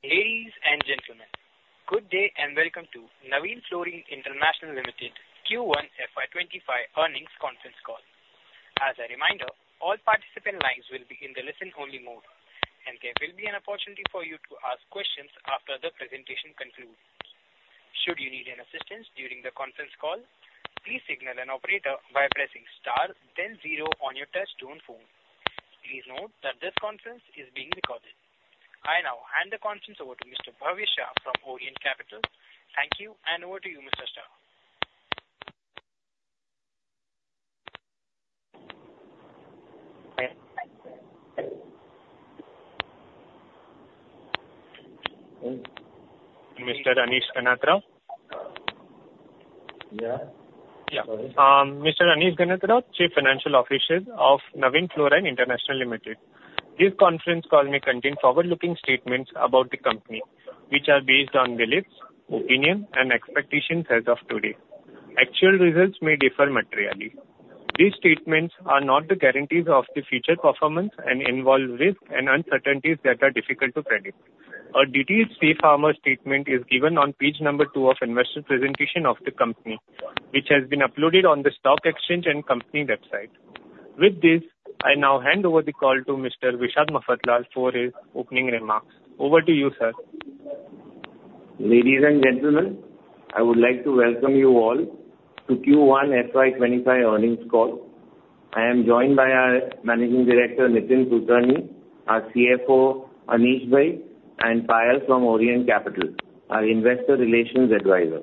Ladies and gentlemen, good day, and welcome to Navin Fluorine International Limited Q1 FY 25 Earnings Conference Call. As a reminder, all participant lines will be in the listen-only mode, and there will be an opportunity for you to ask questions after the presentation concludes. Should you need any assistance during the conference call, please signal an operator by pressing star then zero on your touchtone phone. Please note that this conference is being recorded. I now hand the conference over to Mr. Bhavya Shah from Orient Capital. Thank you, and over to you, Mr. Shah. Mr. Anish Ganatra? Yeah. Yeah. Sorry. Mr. Anish Ganatra, Chief Financial Officer of Navin Fluorine International Limited. This conference call may contain forward-looking statements about the company, which are based on beliefs, opinion, and expectations as of today. Actual results may differ materially. These statements are not the guarantees of the future performance and involve risks and uncertainties that are difficult to predict. A detailed safe harbor statement is given on page number two of investor presentation of the company, which has been uploaded on the stock exchange and company website. With this, I now hand over the call to Mr. Vishad Mafatlal for his opening remarks. Over to you, sir. Ladies and gentlemen, I would like to welcome you all to Q1 FY 2025 earnings call. I am joined by our Managing Director, Nitin Kulkarni, our CFO, Anish Bhai, and Payal Dave from Orient Capital, our investor relations advisor.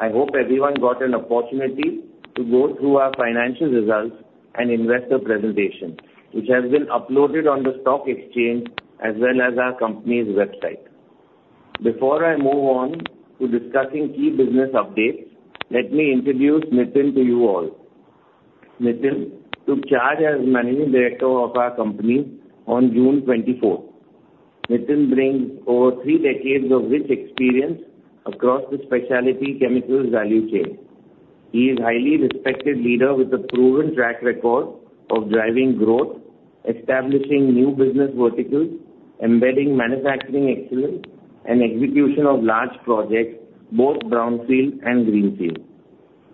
I hope everyone got an opportunity to go through our financial results and investor presentation, which has been uploaded on the stock exchange as well as our company's website. Before I move on to discussing key business updates, let me introduce Nitin to you all. Nitin took charge as Managing Director of our company on June 24. Nitin brings over three decades of rich experience across the specialty chemicals value chain. He is a highly respected leader with a proven track record of driving growth, establishing new business verticals, embedding manufacturing excellence, and execution of large projects, both brownfield and greenfield.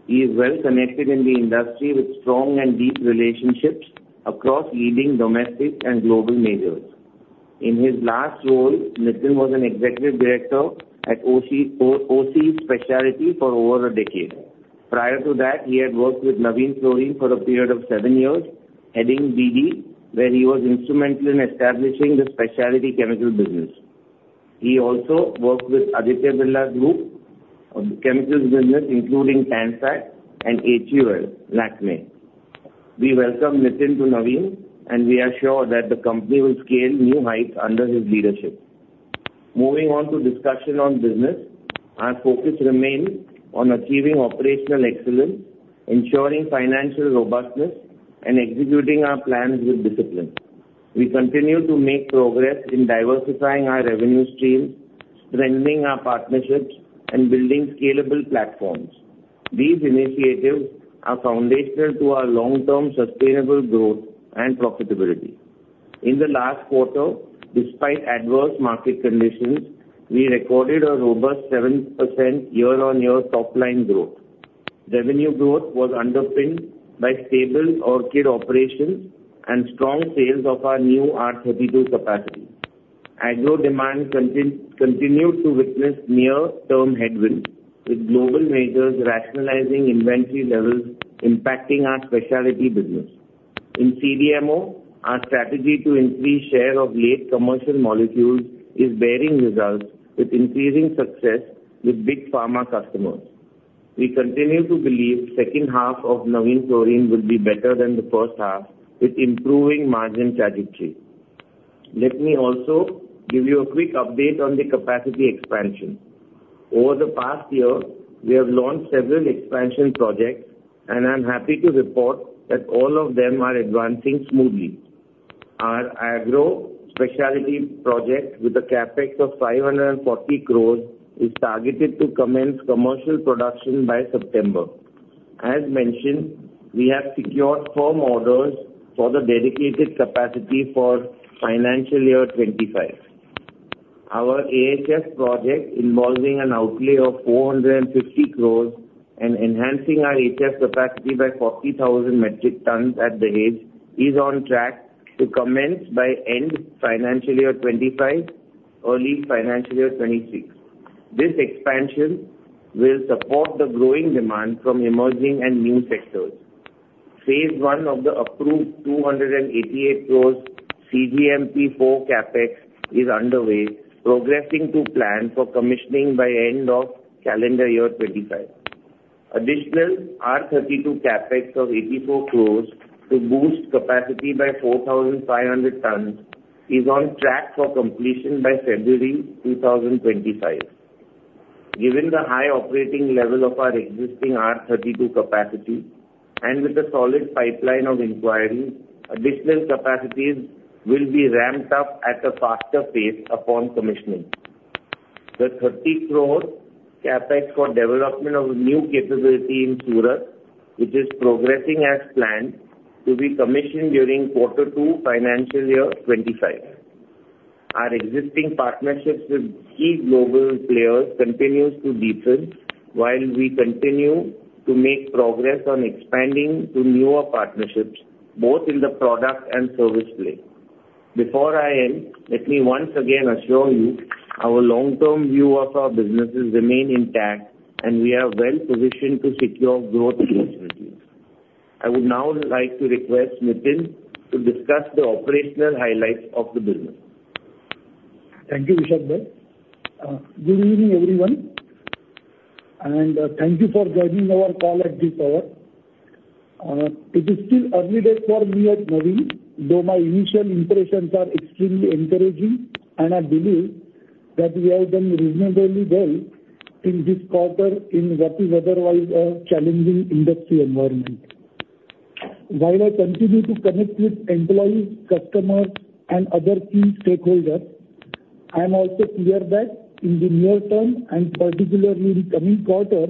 He is well-connected in the industry with strong and deep relationships across leading domestic and global majors. In his last role, Nitin was an Executive Director at OC Specialities for over a decade. Prior to that, he had worked with Navin Fluorine for a period of seven years, heading BD, where he was instrumental in establishing the specialty chemical business. He also worked with Aditya Birla Group of chemicals business, including Tanfac and HUL, Lakmé. We welcome Nitin to Navin, and we are sure that the company will scale new heights under his leadership. Moving on to discussion on business, our focus remains on achieving operational excellence, ensuring financial robustness, and executing our plans with discipline. We continue to make progress in diversifying our revenue streams, strengthening our partnerships, and building scalable platforms. These initiatives are foundational to our long-term sustainable growth and profitability. In the last quarter, despite adverse market conditions, we recorded a robust 7% year-on-year top-line growth. Revenue growth was underpinned by stable Orchid operations and strong sales of our new R-32 capacity. Agro demand continued to witness near-term headwinds, with global majors rationalizing inventory levels impacting our specialty business. In CDMO, our strategy to increase share of late commercial molecules is bearing results with increasing success with big pharma customers. We continue to believe second half of Navin Fluorine will be better than the first half, with improving margin trajectory. Let me also give you a quick update on the capacity expansion. Over the past year, we have launched several expansion projects, and I'm happy to report that all of them are advancing smoothly. Our agro specialty project, with a CapEx of 540 crore, is targeted to commence commercial production by September. As mentioned, we have secured firm orders for the dedicated capacity for financial year 2025. Our AHF project, involving an outlay of 450 crore and enhancing our HF capacity by 40,000 metric tons at Dahej, is on track to commence by end financial year 2025, early financial year 2026. This expansion will support the growing demand from emerging and new sectors. phase I of the approved 288 crore cGMP4 CapEx is underway, progressing to plan for commissioning by end of calendar year 2025. Additional R-32 CapEx of 84 crore to boost capacity by 4,500 tons, is on track for completion by February 2025. Given the high operating level of our existing R-32 capacity and with a solid pipeline of inquiry, additional capacities will be ramped up at a faster pace upon commissioning. the 30 crore CapEx for development of new capability in Surat, which is progressing as planned to be commissioned during quarter two, financial year 2025. Our existing partnerships with key global players continues to deepen, while we continue to make progress on expanding to newer partnerships, both in the product and service play. Before I end, let me once again assure you, our long-term view of our businesses remain intact, and we are well-positioned to secure growth opportunities. I would now like to request Nitin to discuss the operational highlights of the business. Thank you, Vishal Bhai. Good evening, everyone, and thank you for joining our call at this hour. It is still early days for me at Navin, though my initial impressions are extremely encouraging, and I believe that we have done reasonably well in this quarter in what is otherwise a challenging industry environment. While I continue to connect with employees, customers, and other key stakeholders, I am also clear that in the near term, and particularly in the coming quarter,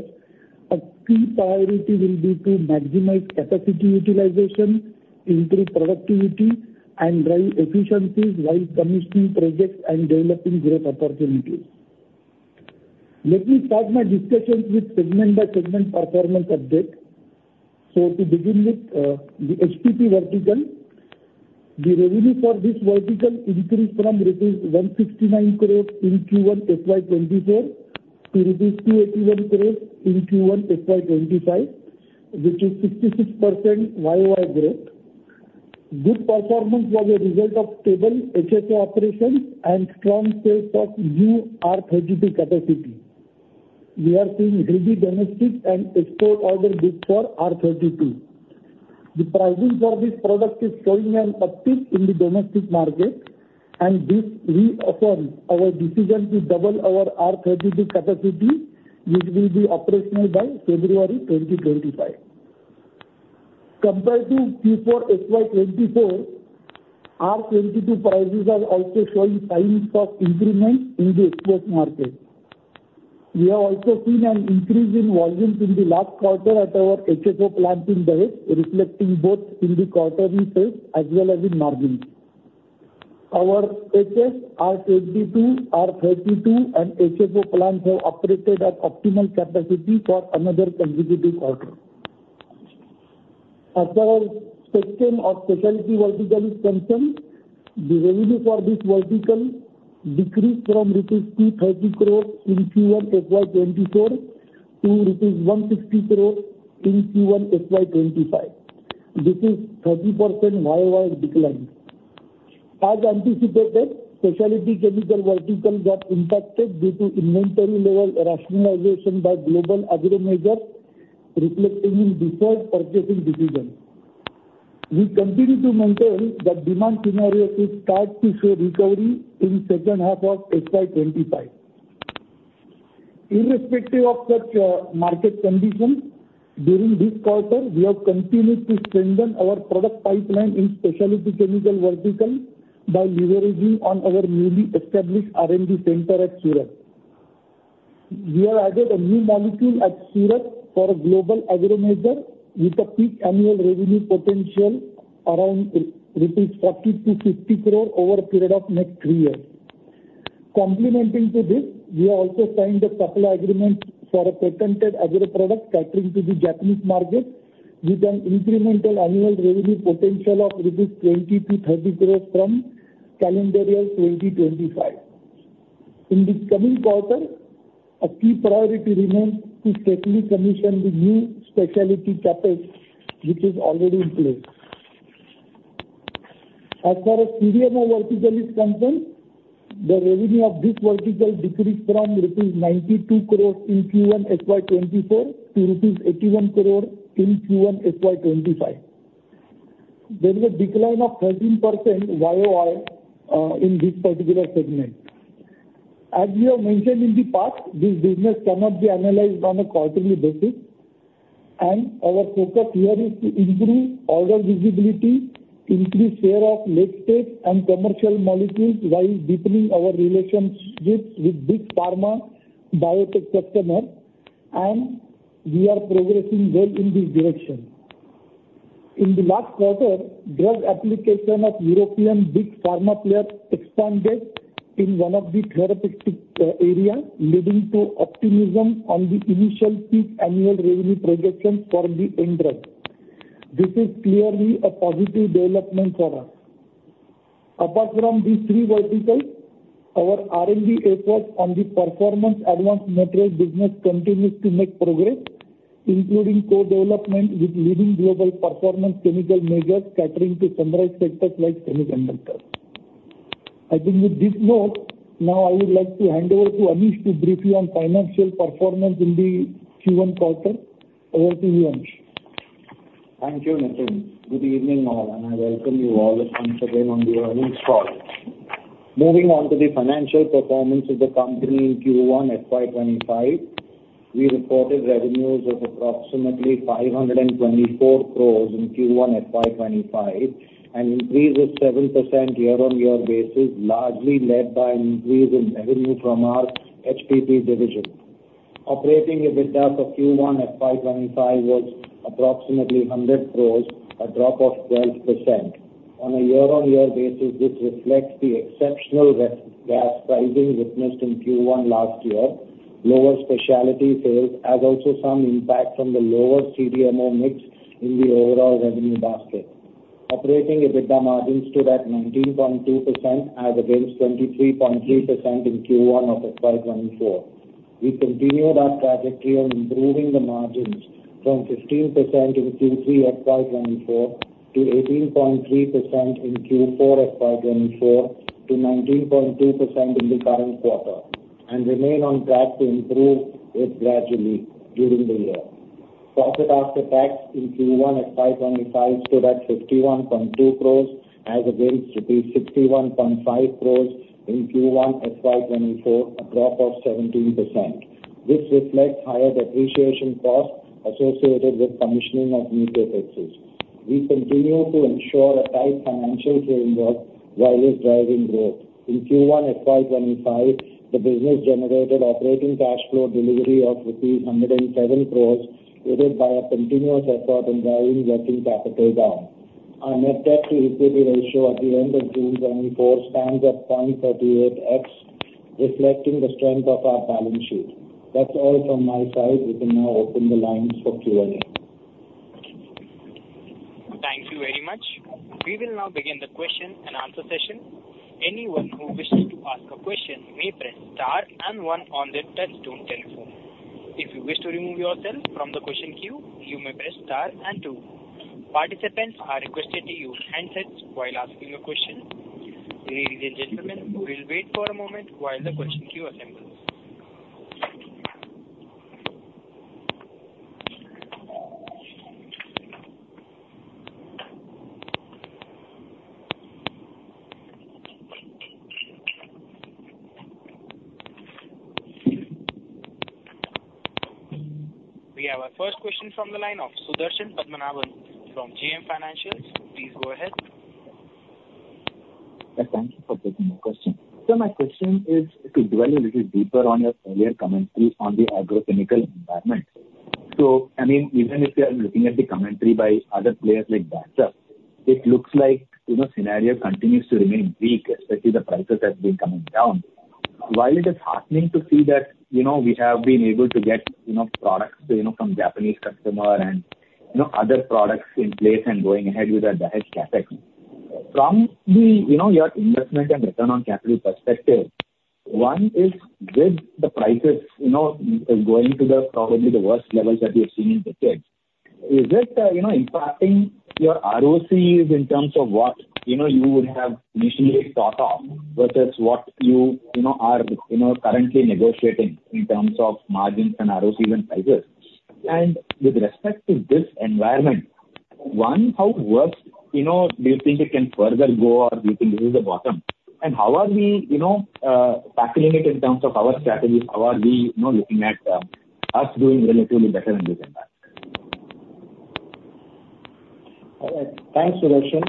a key priority will be to maximize capacity utilization, improve productivity, and drive efficiencies, while commissioning projects and developing growth opportunities. Let me start my discussions with segment-by-segment performance update. So to begin with, the HPP vertical. The revenue for this vertical increased from INR 169 crores in Q1 FY 2024 to INR 281 crores in Q1 FY 2025, which is 66% YoY growth. Good performance was a result of stable HFO operations and strong sales of new R-32 capacity. We are seeing heavy domestic and export order book for R-32. The pricing for this product is showing an uptick in the domestic market, and this reaffirms our decision to double our R-32 capacity, which will be operational by February 2025. Compared to Q4 FY 2024, R-22 prices are also showing signs of improvement in the export market. We have also seen an increase in volumes in the last quarter at our HFO plant in Dahej, reflecting both in the quarterly sales as well as in margins. Our HF, R-22, R-32, and HFO plants have operated at optimal capacity for another consecutive quarter. As far as spectrum of specialty vertical is concerned, the revenue for this vertical decreased from rupees 230 crore in Q1 FY 2024 to rupees 160 crore in Q1 FY 2025. This is 30% YoY decline. As anticipated, specialty chemical vertical got impacted due to inventory level rationalization by global agro majors, reflecting in delayed purchasing decisions. We continue to maintain that demand scenario should start to show recovery in second half of FY 2025. Irrespective of such, market conditions, during this quarter, we have continued to strengthen our product pipeline in specialty chemical vertical by leveraging on our newly established R&D center at Surat. We have added a new molecule at Surat for a global agro major, with a peak annual revenue potential around rupees 40-50 crore over a period of next three years. Complementing to this, we have also signed a couple of agreements for a patented agro product catering to the Japanese market, with an incremental annual revenue potential of rupees 20-30 crores from calendar year 2025. In this coming quarter, a key priority remains to safely commission the new specialty CapEx, which is already in place. As far as CDMO vertical is concerned, the revenue of this vertical decreased from rupees 92 crores in Q1 FY 2024 to rupees 81 crores in Q1 FY 2025. There is a decline of 13% YoY in this particular segment. As we have mentioned in the past, this business cannot be analyzed on a quarterly basis, and our focus here is to improve order visibility, increase share of late-stage and commercial molecules, while deepening our relationships with big pharma biotech customers, and we are progressing well in this direction. In the last quarter, drug application of European big pharma player expanded in one of the therapeutic areas, leading to optimism on the initial peak annual revenue projection for the end drug. This is clearly a positive development for us. Apart from these three verticals, our R&D efforts on the performance advanced materials business continues to make progress, including co-development with leading global performance chemical majors catering to sunrise sectors like semiconductors. I think with this note, now I would like to hand over to Anish to brief you on financial performance in the Q1 quarter. Over to you, Anish. Thank you, Nitin. Good evening, all, and I welcome you all once again on the Navin's call. Moving on to the financial performance of the company in Q1 FY 2025. We reported revenues of approximately 524 crore in Q1 FY 2025, an increase of 7% year-over-year basis, largely led by an increase in revenue from our HPP division. Operating EBITDA for Q1 FY 2025 was approximately 100 crore, a drop of 12%. On a year-over-year basis, this reflects the exceptional gas pricing witnessed in Q1 last year. Lower specialty sales has also some impact from the lower CDMO mix in the overall revenue basket. Operating EBITDA margins stood at 19.2%, as against 23.3% in Q1 of FY 2024. We continue that trajectory on improving the margins from 15% in Q3 FY 2024, to 18.3% in Q4 FY 2024, to 19.2% in the current quarter, and remain on track to improve it gradually during the year. Profit after tax in Q1 FY 2025 stood at 51.2 crores, as against the INR 61.5 crores in Q1 FY 2024, a drop of 17%. This reflects higher depreciation costs associated with commissioning of new CapEx. We continue to ensure a tight financial framework while it's driving growth. In Q1 FY 2025, the business generated operating cash flow delivery of INR 107 crores, aided by a continuous effort in driving working capital down. Our net debt to equity ratio at the end of June 2024 stands at 0.38x, reflecting the strength of our balance sheet. That's all from my side. We can now open the lines for Q&A. Thank you very much. We will now begin the question and answer session. Anyone who wishes to ask a question may press star and one on their touchtone telephone. If you wish to remove yourself from the question queue, you may press star and two. Participants are requested to use handsets while asking a question. Ladies and gentlemen, we'll wait for a moment while the question queue assembles. We have our first question from the line of Sudarshan Padmanabhan from JM Financial. Please go ahead. Yeah, thank you for taking my question. So my question is, to dwell a little deeper on your earlier commentary on the agrochemical environment. So I mean, even if you are looking at the commentary by other players like Bayer, it looks like, you know, scenario continues to remain weak, especially the prices have been coming down. While it is heartening to see that, you know, we have been able to get, you know, products, you know, from Japanese customer and, you know, other products in place and going ahead with that CapEx. From the, you know, your investment and return on capital perspective, one is, with the prices, you know, going to the, probably the worst levels that we've seen in decades, is it, you know, impacting your ROCs in terms of what, you know, you would have initially thought of, versus what you, you know, are, you know, currently negotiating in terms of margins and ROC and prices? And with respect to this environment, one, how worse, you know, do you think it can further go, or do you think this is the bottom? And how are we, you know, tackling it in terms of our strategies? How are we, you know, looking at, us doing relatively better than we can back? All right. Thanks, Sudarshan.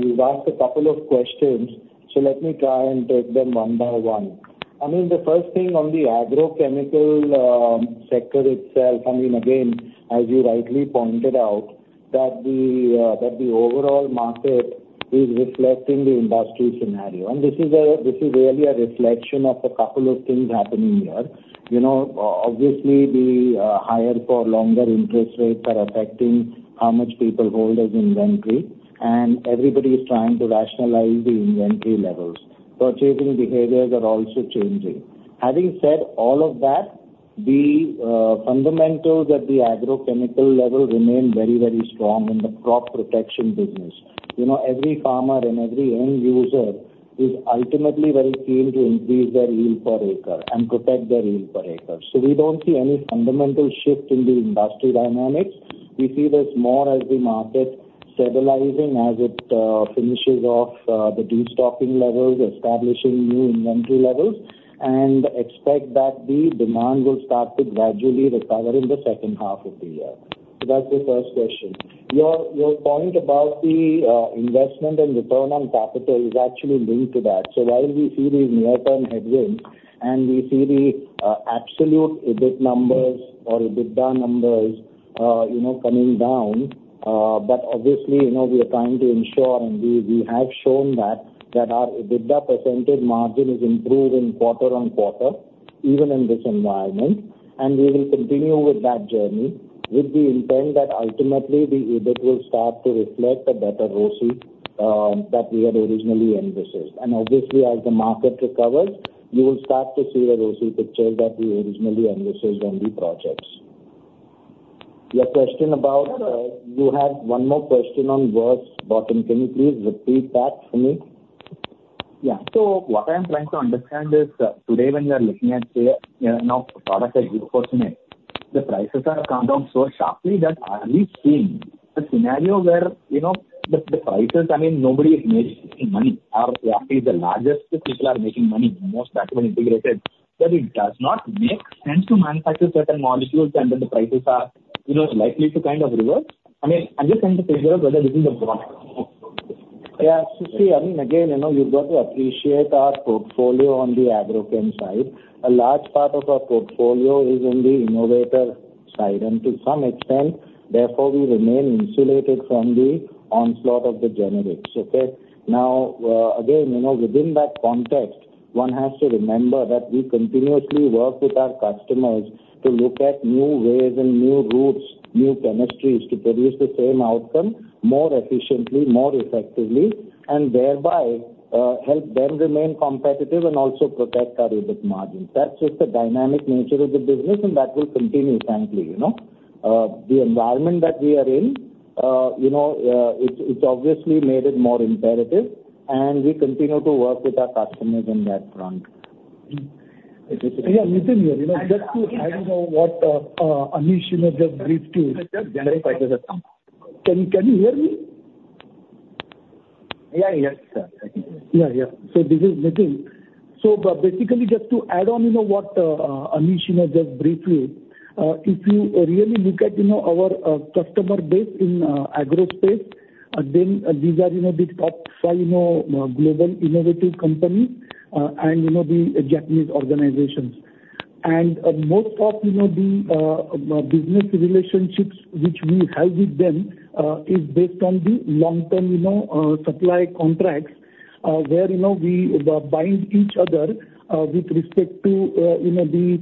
You've asked a couple of questions, so let me try and take them one by one. I mean, the first thing on the agrochemical sector itself, I mean, again, as you rightly pointed out, that the overall market is reflecting the industry scenario. And this is really a reflection of a couple of things happening here. You know, obviously, the higher for longer interest rates are affecting how much people hold as inventory, and everybody is trying to rationalize the inventory levels. Purchasing behaviors are also changing. Having said all of that, the fundamentals at the agrochemical level remain very, very strong in the crop protection business. You know, every farmer and every end user is ultimately very keen to increase their yield per acre and protect their yield per acre. So we don't see any fundamental shift in the industry dynamics. We see this more as the market stabilizing as it finishes off the destocking levels, establishing new inventory levels, and expect that the demand will start to gradually recover in the second half of the year. So that's the first question. Your point about the investment and return on capital is actually linked to that. So while we see these near-term headwinds, and we see the absolute EBIT numbers or EBITDA numbers, you know, coming down, but obviously, you know, we are trying to ensure, and we have shown that our EBITDA percentage margin is improving quarter on quarter, even in this environment. And we will continue with that journey, with the intent that ultimately the EBIT will start to reflect the better ROC that we had originally envisaged. And obviously, as the market recovers, you will start to see the ROC picture that we originally envisaged on the projects. Your question about. You had one more question on worse bottom. Can you please repeat that for me? Yeah. So what I'm trying to understand is, today when you are looking at, you know, products like glufosinate, the prices have come down so sharply that are we seeing a scenario where, you know, the, the prices, I mean, nobody is making money, or only the largest people are making money, the most vertically integrated, that it does not make sense to manufacture certain molecules, and then the prices are, you know, likely to kind of reverse? I mean, I'm just trying to figure out whether this is the bottom. Yeah. So see, I mean, again, you know, you've got to appreciate our portfolio on the agrochem side. A large part of our portfolio is in the innovator side, and to some extent, therefore, we remain insulated from the onslaught of the generics, okay? Now, again, you know, within that context, one has to remember that we continuously work with our customers to look at new ways and new routes, new chemistries to produce the same outcome more efficiently, more effectively, and thereby, help them remain competitive and also protect our EBITDA margins. That's just the dynamic nature of the business, and that will continue, frankly, you know? The environment that we are in, you know, it's obviously made it more imperative, and we continue to work with our customers on that front. Yeah, Nitin here. Just to add, you know, what Anish, you know, just briefed you. Can you hear me? Yeah, yes, sir. I can hear you. Yeah, yeah. So this is Nitin. So basically, just to add on, you know, what, Anish, you know, just briefed you, if you really look at, you know, our, customer base in, agro space, then these are, you know, the top five, you know, global innovative companies, and, you know, the Japanese organizations. And most of, you know, the, business relationships which we have with them, is based on the long-term, you know, supply contracts, where, you know, we, bind each other, with respect to, you know, the,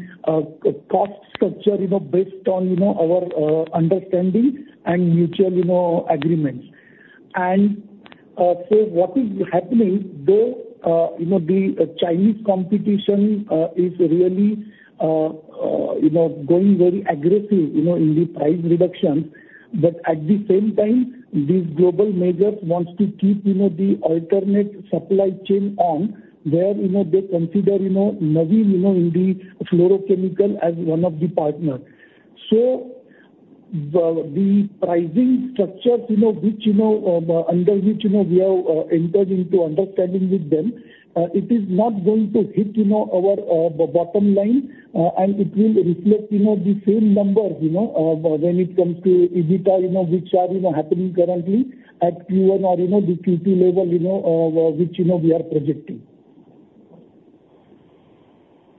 cost structure, you know, based on, you know, our, understanding and mutual, you know, agreements. And, so what is happening, though, you know, the Chinese competition, is really, you know, going very aggressive, you know, in the price reduction. But at the same time, these global majors want to keep, you know, the alternate supply chain on, where, you know, they consider, you know, Navin, you know, in the fluorochemical as one of the partners. So the, the pricing structures, you know, which, you know, under which, you know, we have entered into understanding with them, it is not going to hit, you know, our, the bottom line, and it will reflect, you know, the same number, you know, when it comes to EBITDA, you know, which are, you know, happening currently at Q1 or, you know, the Q2 level, you know, which, you know, we are projecting.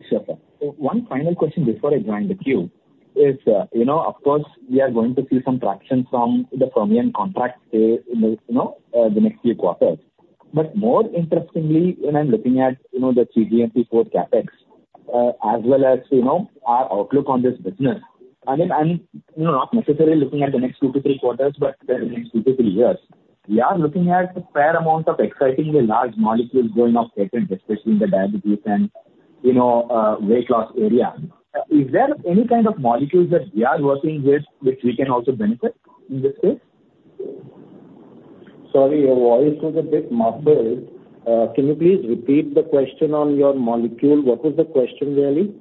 Sure, sir. One final question before I join the queue is, you know, of course, we are going to see some traction from the Fermion contract so, in the, you know, the next few quarters. But more interestingly, when I'm looking at, you know, the cGMP4 CapEx, as well as, you know, our outlook on this business, I mean, I'm, you know, not necessarily looking at the next two to three quarters, but the next two to three years. We are looking at a fair amount of excitingly large molecules going off patent, especially in the diabetes and, you know, weight loss area. Is there any kind of molecules that we are working with, which we can also benefit in this space? Sorry, your voice was a bit muffled. Can you please repeat the question on your molecule? What was the question, really?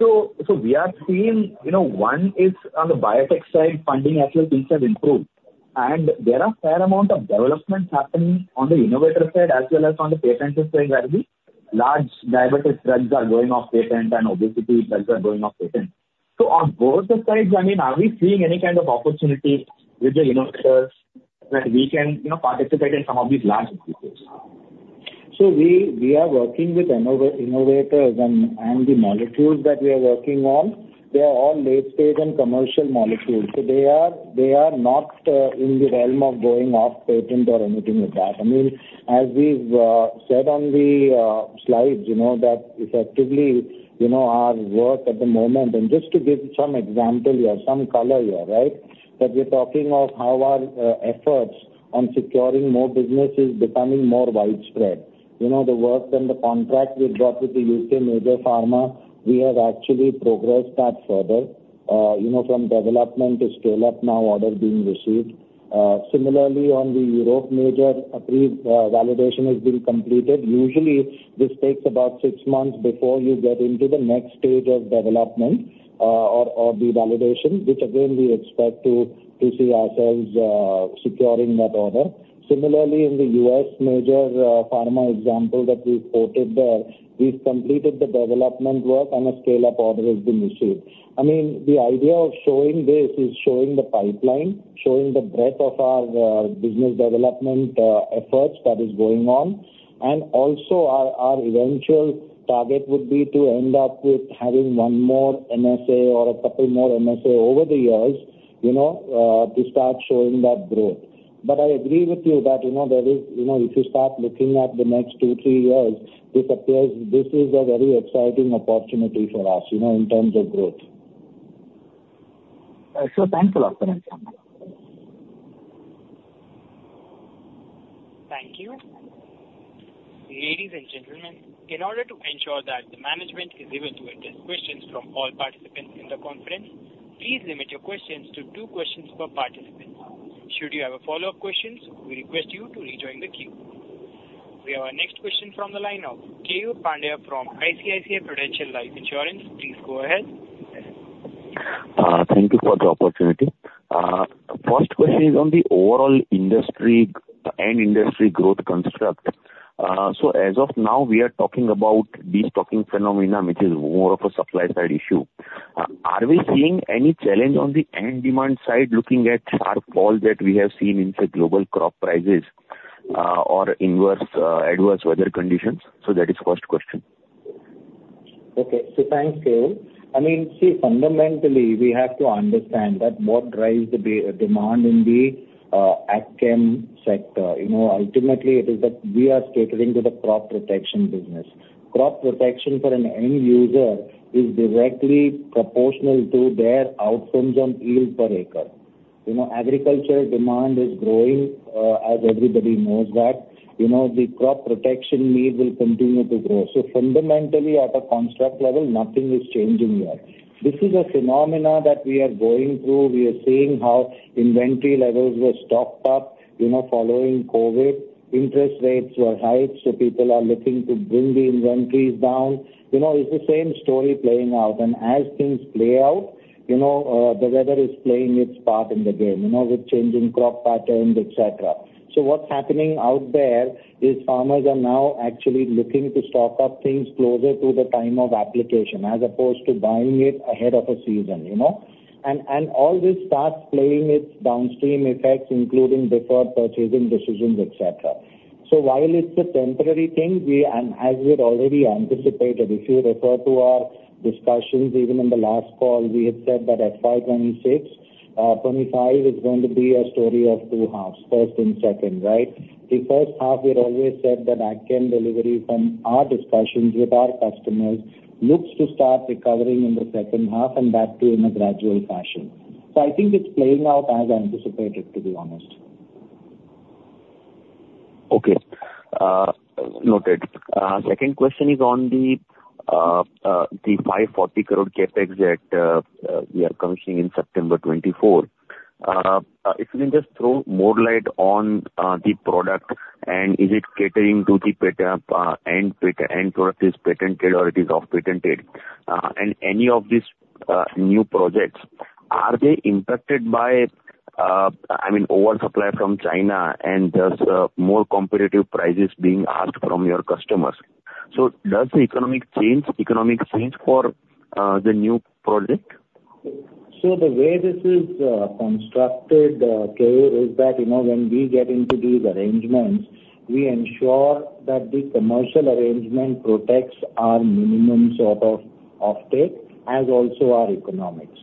So, we are seeing, you know, one is on the biotech side, funding actual things have improved, and there are a fair amount of developments happening on the innovator side, as well as on the patent side, where the large diabetes drugs are going off patent and obesity drugs are going off patent. So on both the sides, I mean, are we seeing any kind of opportunity with the innovators that we can, you know, participate in some of these large increases? So we are working with innovators, and the molecules that we are working on, they are all late stage and commercial molecules. So they are not in the realm of going off patent or anything like that. I mean, as we've said on the slides, you know, that effectively, you know, our work at the moment, and just to give some example here, some color here, right? That we're talking of how our efforts on securing more business is becoming more widespread. You know, the work and the contract we've got with the U.K. major pharma, we have actually progressed that further, you know, from development to scale-up, now order being received. Similarly, on the Europe major, a pre-validation has been completed. Usually, this takes about six months before you get into the next stage of development, or the validation, which again, we expect to see ourselves securing that order. Similarly, in the U.S. major pharma example that we quoted there, we've completed the development work and a scale-up order has been received. I mean, the idea of showing this is showing the pipeline, showing the breadth of our business development efforts that is going on, and also our eventual target would be to end up with having one more MSA or a couple more MSA over the years, you know, to start showing that growth. But I agree with you that, you know, there is, you know, if you start looking at the next 2-3 years, it appears this is a very exciting opportunity for us, you know, in terms of growth. Thanks a lot for answering. Thank you. Ladies and gentlemen, in order to ensure that the management is able to address questions from all participants in the conference, please limit your questions to two questions per participant. Should you have a follow-up questions, we request you to rejoin the queue. We have our next question from the line of Keyur Pandya from ICICI Prudential Life Insurance. Please go ahead. Thank you for the opportunity. First question is on the overall industry and industry growth construct. So as of now, we are talking about destocking phenomenon, which is more of a supply side issue. Are we seeing any challenge on the end demand side, looking at sharp fall that we have seen in, say, global crop prices, or inverse, adverse weather conditions? So that is first question. Okay. So thanks, Keyur. I mean, see, fundamentally, we have to understand that what drives the demand in the, ag chem sector, you know, ultimately it is that we are catering to the crop protection business. Crop protection for an end user is directly proportional to their outcomes on yield per acre. You know, agriculture demand is growing, as everybody knows that. You know, the crop protection need will continue to grow. So fundamentally, at a construct level, nothing is changing there. This is a phenomena that we are going through. We are seeing how inventory levels were stocked up, you know, following COVID. Interest rates were high, so people are looking to bring the inventories down. You know, it's the same story playing out. As things play out, you know, the weather is playing its part in the game, you know, with changing crop patterns, et cetera. So what's happening out there is farmers are now actually looking to stock up things closer to the time of application, as opposed to buying it ahead of a season, you know? And all this starts playing its downstream effects, including deferred purchasing decisions, et cetera. So while it's a temporary thing, we and as we had already anticipated, if you refer to our discussions, even in the last call, we had said that FY 25 is going to be a story of two halves, first and second, right? The first half, we'd always said that ag chem delivery from our discussions with our customers, looks to start recovering in the second half, and that too, in a gradual fashion. I think it's playing out as anticipated, to be honest. Okay. Noted. Second question is on the 540 crore CapEx that we are commissioning in September 2024. If you can just throw more light on the product, and is it catering to the patented end product is patented or it is off patented? And any of these new projects, are they impacted by, I mean, oversupply from China and does more competitive prices being asked from your customers? So does the economic change for the new project? So the way this is constructed, Keyur, is that, you know, when we get into these arrangements, we ensure that the commercial arrangement protects our minimum sort of offtake, as also our economics.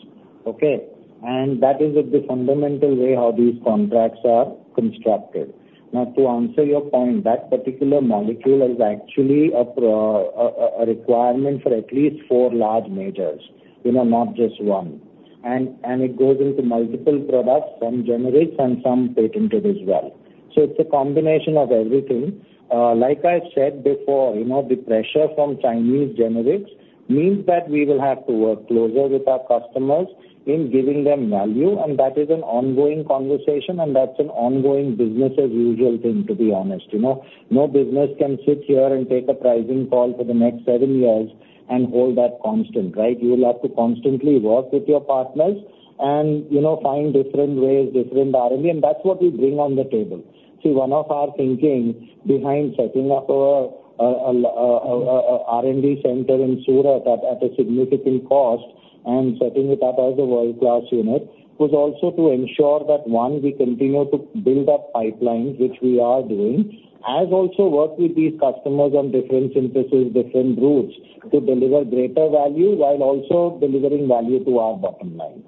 Okay? And that is the fundamental way how these contracts are constructed. Now, to answer your point, that particular molecule is actually a requirement for at least four large majors, you know, not just one. And it goes into multiple products, some generics and some patented as well. So it's a combination of everything. Like I said before, you know, the pressure from Chinese generics means that we will have to work closer with our customers in giving them value, and that is an ongoing conversation, and that's an ongoing business as usual thing, to be honest, you know? No business can sit here and take a pricing call for the next seven years and hold that constant, right? You will have to constantly work with your partners and, you know, find different ways, different R&D, and that's what we bring on the table. See, one of our thinking behind setting up a R&D center in Surat at a significant cost and setting it up as a world-class unit, was also to ensure that, one, we continue to build up pipelines, which we are doing, as also work with these customers on different synthesis, different routes, to deliver greater value while also delivering value to our bottom line.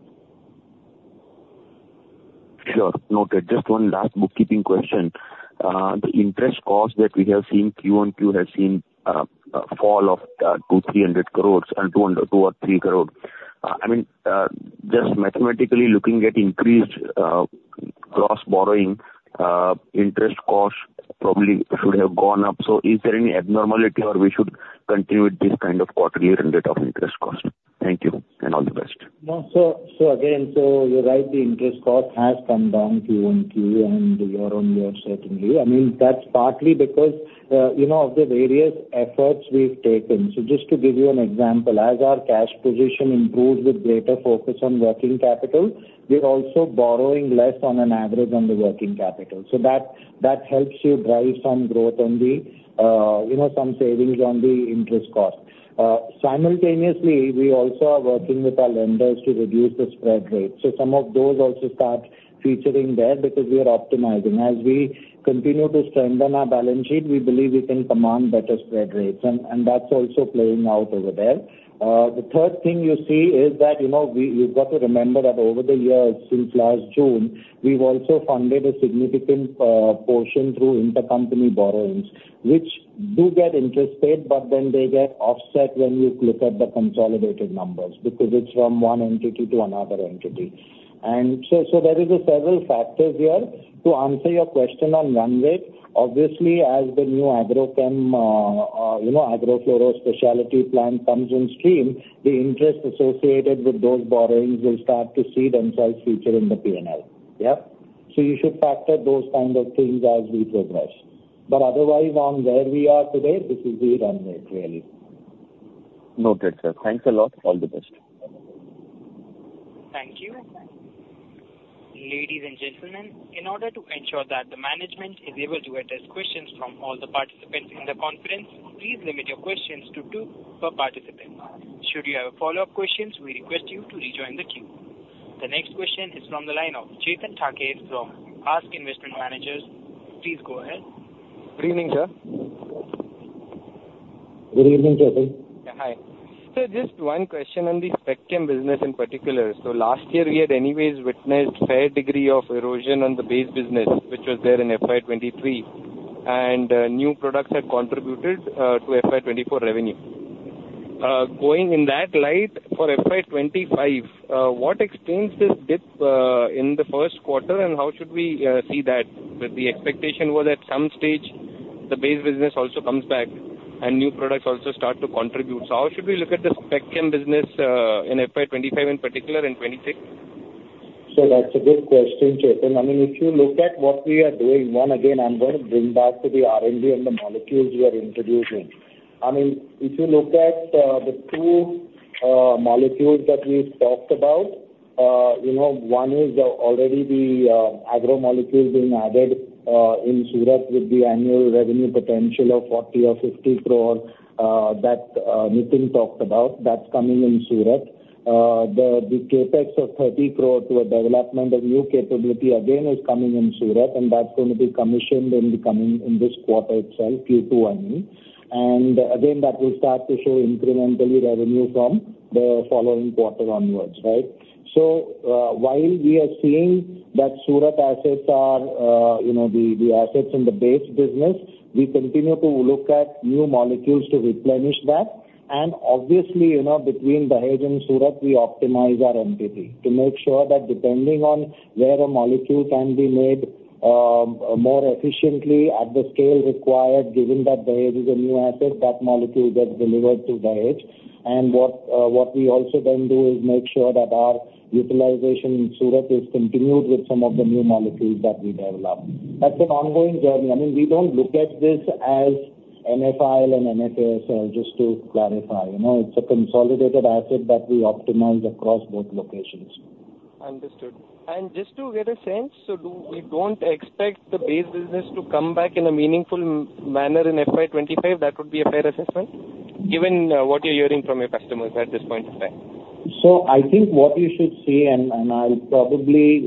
Sure. Noted. Just one last bookkeeping question. The interest cost that we have seen QoQ has seen a fall of 200-300 crore, and 200-203 crore. I mean, just mathematically looking at increased gross borrowing, interest costs probably should have gone up. So is there any abnormality or we should continue with this kind of quarterly run rate of interest cost? Thank you, and all the best. No. So, so again, so you're right, the interest cost has come down QoQ and year-on-year, certainly. I mean, that's partly because, you know, of the various efforts we've taken. So just to give you an example, as our cash position improves with greater focus on working capital, we're also borrowing less on an average on the working capital. So that, that helps you drive some growth on the, you know, some savings on the interest cost. Simultaneously, we also are working with our lenders to reduce the spread rate. So some of those also start featuring there because we are optimizing. As we continue to strengthen our balance sheet, we believe we can command better spread rates, and, and that's also playing out over there. The third thing you see is that, you know, you've got to remember that over the years, since last June, we've also funded a significant portion through intercompany borrowings, which do get interest paid, but then they get offset when you look at the consolidated numbers, because it's from one entity to another entity. And so, so there is a several factors here. To answer your question on run rate, obviously, as the new agrochem, you know, agro fluoro specialty plant comes on stream, the interest associated with those borrowings will start to see themselves featured in the P&L. Yep. So you should factor those kind of things as we progress. But otherwise, on where we are today, this is the runway, really. Noted, sir. Thanks a lot. All the best. Thank you. Ladies and gentlemen, in order to ensure that the management is able to address questions from all the participants in the conference, please limit your questions to two per participant. Should you have follow-up questions, we request you to rejoin the queue. The next question is from the line of Chetan Thakare from ASK Investment Managers. Please go ahead. Good evening, sir. Good evening, Chetan. Yeah, hi. Sir, just one question on the Spec Chem business in particular. So last year, we had anyways witnessed fair degree of erosion on the base business, which was there in FY 2023, and new products had contributed to FY 2024 revenue. Going in that light, for FY 2025, what explains this dip in the first quarter, and how should we see that? With the expectation was at some stage, the base business also comes back and new products also start to contribute. So how should we look at the Spec Chem business in FY 2025 in particular, and 2026? So that's a good question, Chetan. I mean, if you look at what we are doing, one, again, I'm going to bring back to the R&D and the molecules we are introducing. I mean, if you look at the 2 molecules that we talked about, you know, one is already the agro molecule being added in Surat with the annual revenue potential of 40 crore-50 crore that Nitin talked about. That's coming in Surat. The CapEx of 30 crore to a development of new capability again is coming in Surat, and that's going to be commissioned in the coming in this quarter itself, Q2, I mean. And again, that will start to show incrementally revenue from the following quarter onwards, right? So, while we are seeing that Surat assets are, you know, the, the assets in the base business, we continue to look at new molecules to replenish that. And obviously, you know, between Dahej and Surat, we optimize our MPP to make sure that depending on where a molecule can be made, more efficiently at the scale required, given that Dahej is a new asset, that molecule gets delivered to Dahej. And what, what we also then do is make sure that our utilization in Surat is continued with some of the new molecules that we develop. That's an ongoing journey. I mean, we don't look at this as NFIL and NFASL, just to clarify. You know, it's a consolidated asset that we optimize across both locations. Understood. Just to get a sense, so do we not expect the base business to come back in a meaningful manner in FY 2025, that would be a fair assessment, given what you're hearing from your customers at this point in time? So I think what you should see, and I'll probably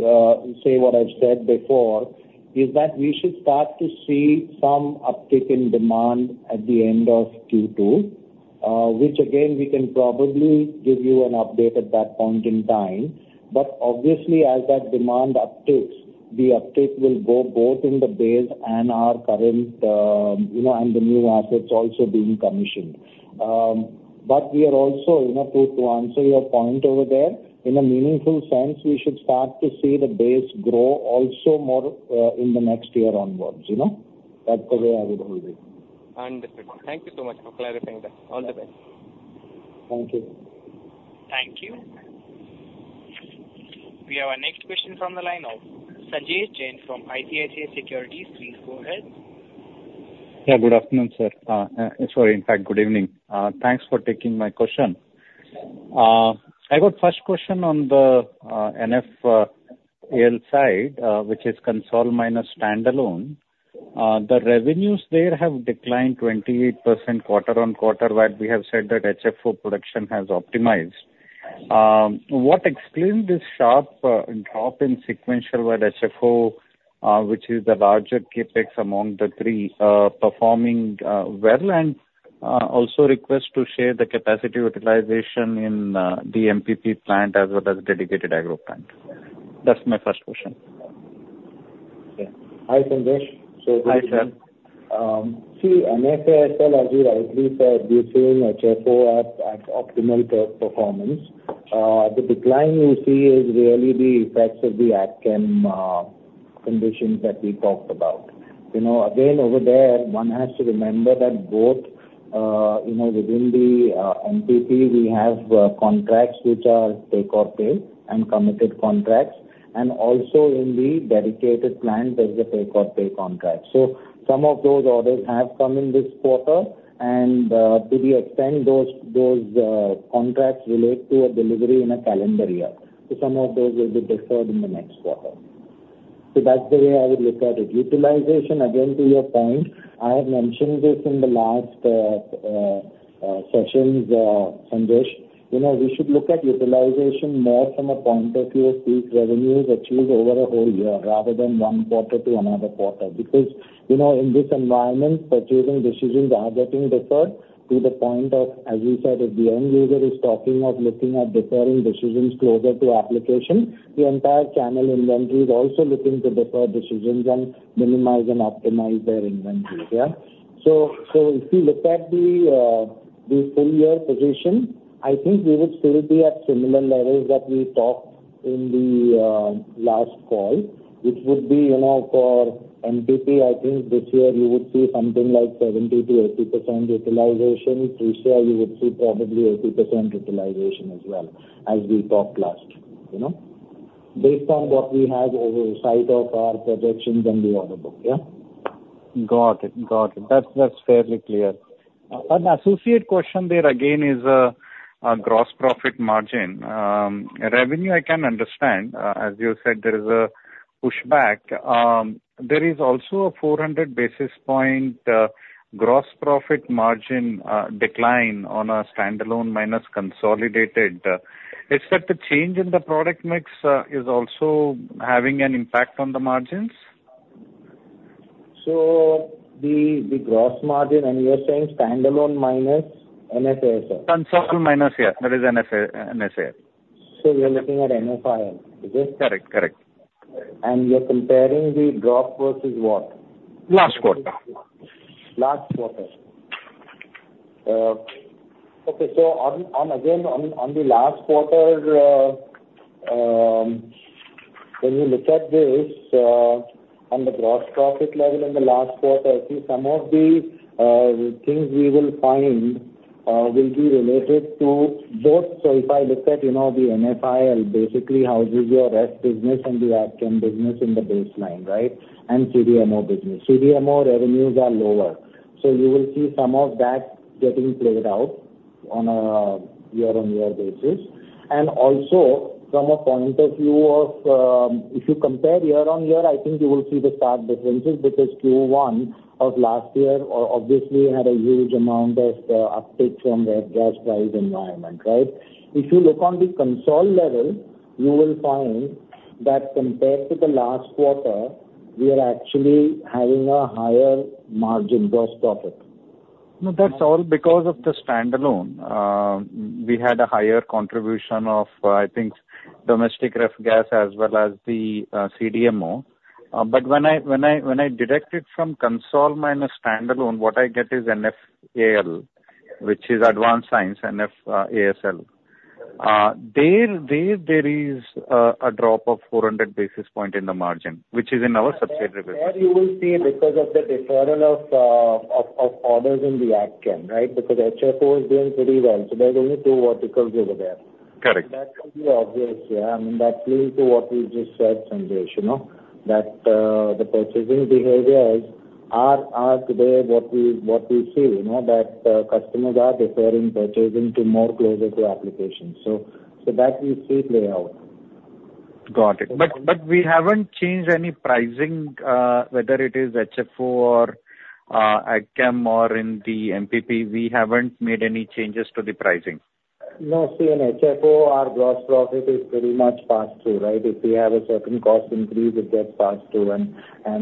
say what I've said before, is that we should start to see some uptick in demand at the end of Q2, which again, we can probably give you an update at that point in time. But obviously, as that demand upticks, the uptick will go both in the base and our current, you know, and the new assets also being commissioned. But we are also, you know, to answer your point over there, in a meaningful sense, we should start to see the base grow also more, in the next year onwards, you know? That's the way I would hold it. Understood. Thank you so much for clarifying that. All the best. Thank you. Thank you. We have our next question from the line of Sanjesh Jain from ICICI Securities. Please go ahead. Yeah, good afternoon, sir. Sorry, in fact, good evening. Thanks for taking my question. I got first question on the NFAL side, which is Consol minus standalone. The revenues there have declined 28% quarter-on-quarter, where we have said that HFO production has optimized. What explains this sharp drop in sequential wide HFO, which is the larger CapEx among the three performing well? And also request to share the capacity utilization in the MPP plant, as well as dedicated agro plant. That's my first question. Yeah. Hi, Sanjesh. Hi, sir. See, NFIL, as you rightly said, we're seeing HFO at optimal performance. The decline you see is really the effects of the agchem conditions that we talked about. You know, again, over there, one has to remember that both, you know, within the MPP, we have contracts which are take or pay and committed contracts, and also in the dedicated plant, there's a take or pay contract. So some of those orders have come in this quarter, and to the extent those contracts relate to a delivery in a calendar year. So some of those will be deferred in the next quarter. So that's the way I would look at it. Utilization, again, to your point, I have mentioned this in the last sessions, Sanjesh. You know, we should look at utilization more from a point of view of these revenues achieved over a whole year, rather than one quarter to another quarter. Because, you know, in this environment, purchasing decisions are getting deferred to the point of, as you said, if the end user is talking of looking at deferring decisions closer to application, the entire channel inventory is also looking to defer decisions and minimize and optimize their inventories, yeah? So, so if you look at the, the full year position, I think we would still be at similar levels that we talked in the last call. which would be, you know, for MPP, I think this year you would see something like 70%-80% utilization. This year you would see probably 80% utilization as well, as we talked last, you know? Based on what we have in sight of our projections and the order book, yeah. Got it, got it. That's, that's fairly clear. An associate question there, again, is on gross profit margin. Revenue, I can understand. As you said, there is a pushback. There is also a 400 basis point gross profit margin decline on a standalone minus consolidated. Is that the change in the product mix also having an impact on the margins? So the gross margin, and you're saying standalone minus NFASL? Consolid minus, yeah, that is NFASL, NFASL. You're looking at NFASL, is it? Correct, correct. You're comparing the drop versus what? Last quarter. Last quarter. Okay, so on the last quarter, when you look at this, on the gross profit level in the last quarter, I see some of the things we will find will be related to both. So if I look at, you know, the NFASL, basically houses your rest business and the outcome business in the baseline, right? And CDMO business. CDMO revenues are lower. So you will see some of that getting played out on a year-on-year basis. And also, from a point of view of, if you compare year-on-year, I think you will see the stark differences, because Q1 of last year obviously had a huge amount of uptake from the gas price environment, right? If you look at the consolidated level, you will find that compared to the last quarter, we are actually having a higher margin gross profit. No, that's all because of the standalone. We had a higher contribution of, I think, domestic ref gas as well as the CDMO. But when I deduct it from consolidated minus standalone, what I get is NFAL, which is advanced science, NF, ASL. There is a drop of 400 basis points in the margin, which is in our subsidiary. There you will see because of the deferral of orders in the outcome, right? Because HFO is doing pretty well, so there are only two verticals over there. Correct. That will be obvious, yeah, and that leads to what you just said, Sanjesh, you know, that the purchasing behaviors are today what we see, you know, that customers are deferring purchasing to more closer to application. So that we see play out. Got it. But, but we haven't changed any pricing, whether it is HFO or AgChem or in the MPP. We haven't made any changes to the pricing? No, see, in HFO, our gross profit is pretty much passed through, right? If we have a certain cost increase, it gets passed through. And,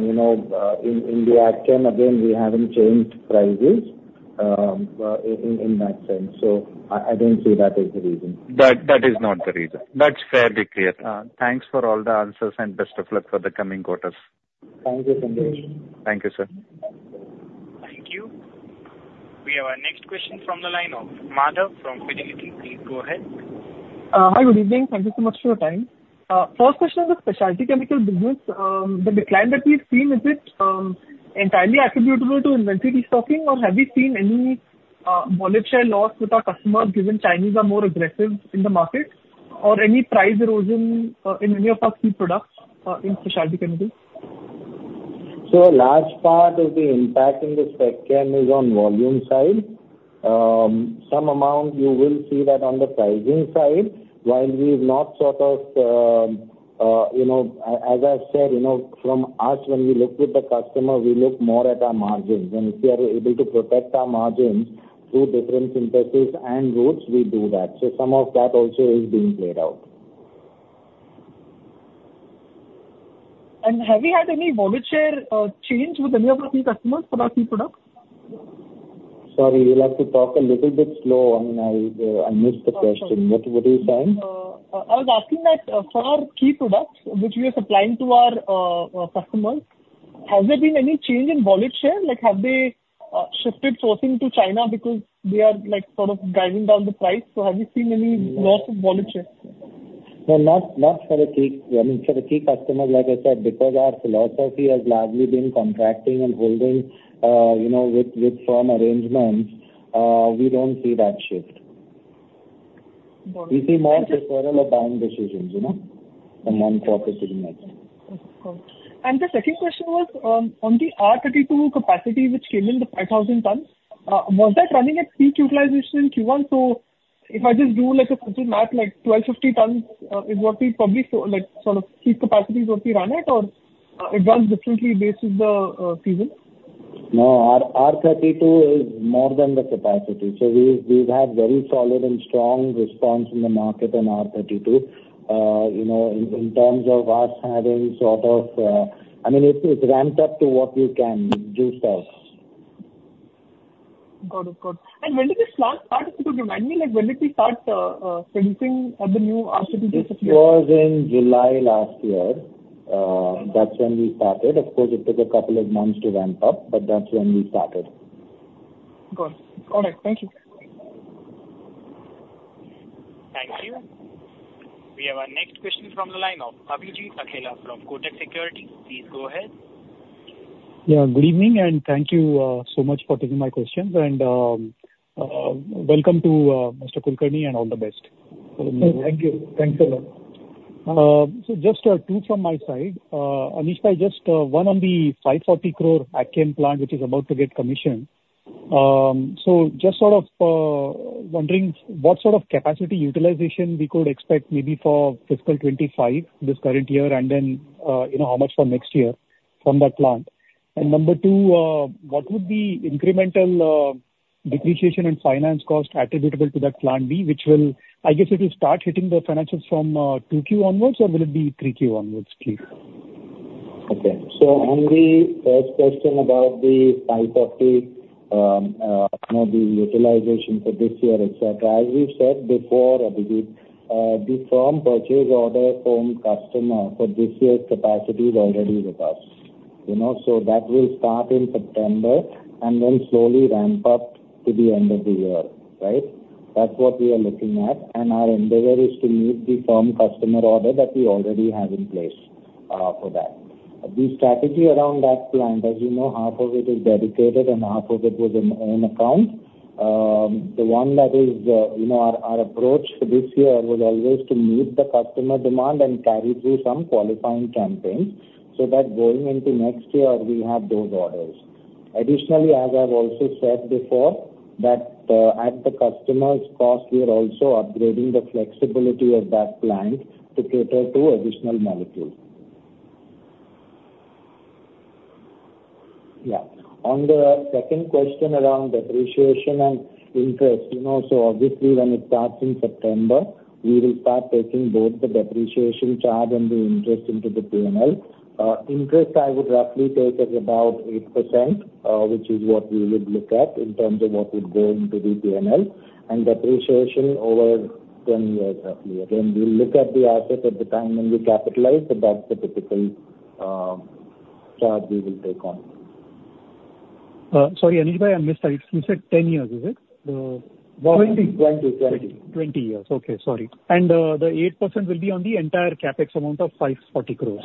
you know, in the outcome, again, we haven't changed prices in that sense, so I don't see that as the reason. That, that is not the reason. That's fairly clear. Thanks for all the answers, and best of luck for the coming quarters. Thank you, Sanjesh. Thank you, sir. Thank you. We have our next question from the line of Madhav from Fidelity. Please, go ahead. Hi, good evening. Thank you so much for your time. First question is the specialty chemical business. The decline that we've seen, is it entirely attributable to inventory stocking, or have you seen any market share loss with our customers, given Chinese are more aggressive in the market, or any price erosion in any of our key products in specialty chemicals? So a large part of the impact in the spec chem is on volume side. Some amount you will see that on the pricing side, while we've not sort of, you know, as I said, you know, from us, when we look with the customer, we look more at our margins. And if we are able to protect our margins through different synthesis and routes, we do that. So some of that also is being played out. Have you had any market share change with any of our key customers for our key products? Sorry, you'll have to talk a little bit slow on my end. I missed the question. What, what are you saying? I was asking that, for our key products, which we are supplying to our, customers, has there been any change in market share? Like, have they, shifted sourcing to China because they are, like, sort of driving down the price? So have you seen any loss of market share? No, not, not for the key, I mean, for the key customers, like I said, because our philosophy has largely been contracting and holding, you know, with, with firm arrangements, we don't see that shift. Got it. We see more deferral of buying decisions, you know, than one product in it. Okay, cool. And the second question was on the R32 capacity, which came in the 5,000 tons, was that running at peak utilization in Q1? So if I just do, like, a simple math, like, 1,250 tons is what we probably saw, like, sort of peak capacity what we run it, or it runs differently based on the season? No, our R32 is more than the capacity. So we, we've had very solid and strong response in the market on R32. You know, in terms of us having sort of. I mean, it's ramped up to what we can do stocks. Got it, got it. And when did this start? Could you remind me, like, when did we start producing on the new R32 facility? It was in July last year. That's when we started. Of course, it took a couple of months to ramp up, but that's when we started. Got it. All right. Thank you. Thank you. We have our next question from the line of Abhijit Akella from Kotak Securities. Please go ahead. Yeah, good evening, and thank you so much for taking my questions. Welcome to Mr. Kulkarni, and all the best. Thank you. Thanks a lot. So just two from my side. Anish, just one on the 540 crore ACM plant, which is about to get commissioned. So just sort of wondering what sort of capacity utilization we could expect maybe for fiscal 2025, this current year, and then you know, how much for next year from that plant? And number two, what would be incremental depreciation and finance cost attributable to that plant B, which will—I guess it will start hitting the financials from 2Q onwards, or will it be 3Q onwards? Please. Okay. So on the first question about the 550, you know, the utilization for this year, et cetera, as we've said before, Abhijit, the firm purchase order from customer for this year's capacity is already with us, you know? So that will start in September, and then slowly ramp up to the end of the year, right? That's what we are looking at, and our endeavor is to meet the firm customer order that we already have in place, for that. The strategy around that plant, as you know, half of it is dedicated and half of it is in own account. The one that is, you know, our approach for this year was always to meet the customer demand and carry through some qualifying campaigns, so that going into next year, we have those orders. Additionally, as I've also said before, that, at the customer's cost, we are also upgrading the flexibility of that plant to cater to additional molecules. Yeah. On the second question around depreciation and interest, you know, so obviously when it starts in September, we will start taking both the depreciation charge and the interest into the P&L. Interest, I would roughly take at about 8%, which is what we would look at in terms of what would go into the P&L, and depreciation over 10 years, roughly. Again, we'll look at the asset at the time when we capitalize it, that's the typical, charge we will take on. Sorry, Anish, I missed it. You said 10 years, is it? 20. 20, 20. 20 years. Okay, sorry. And the 8% will be on the entire CapEx amount of 540 crores?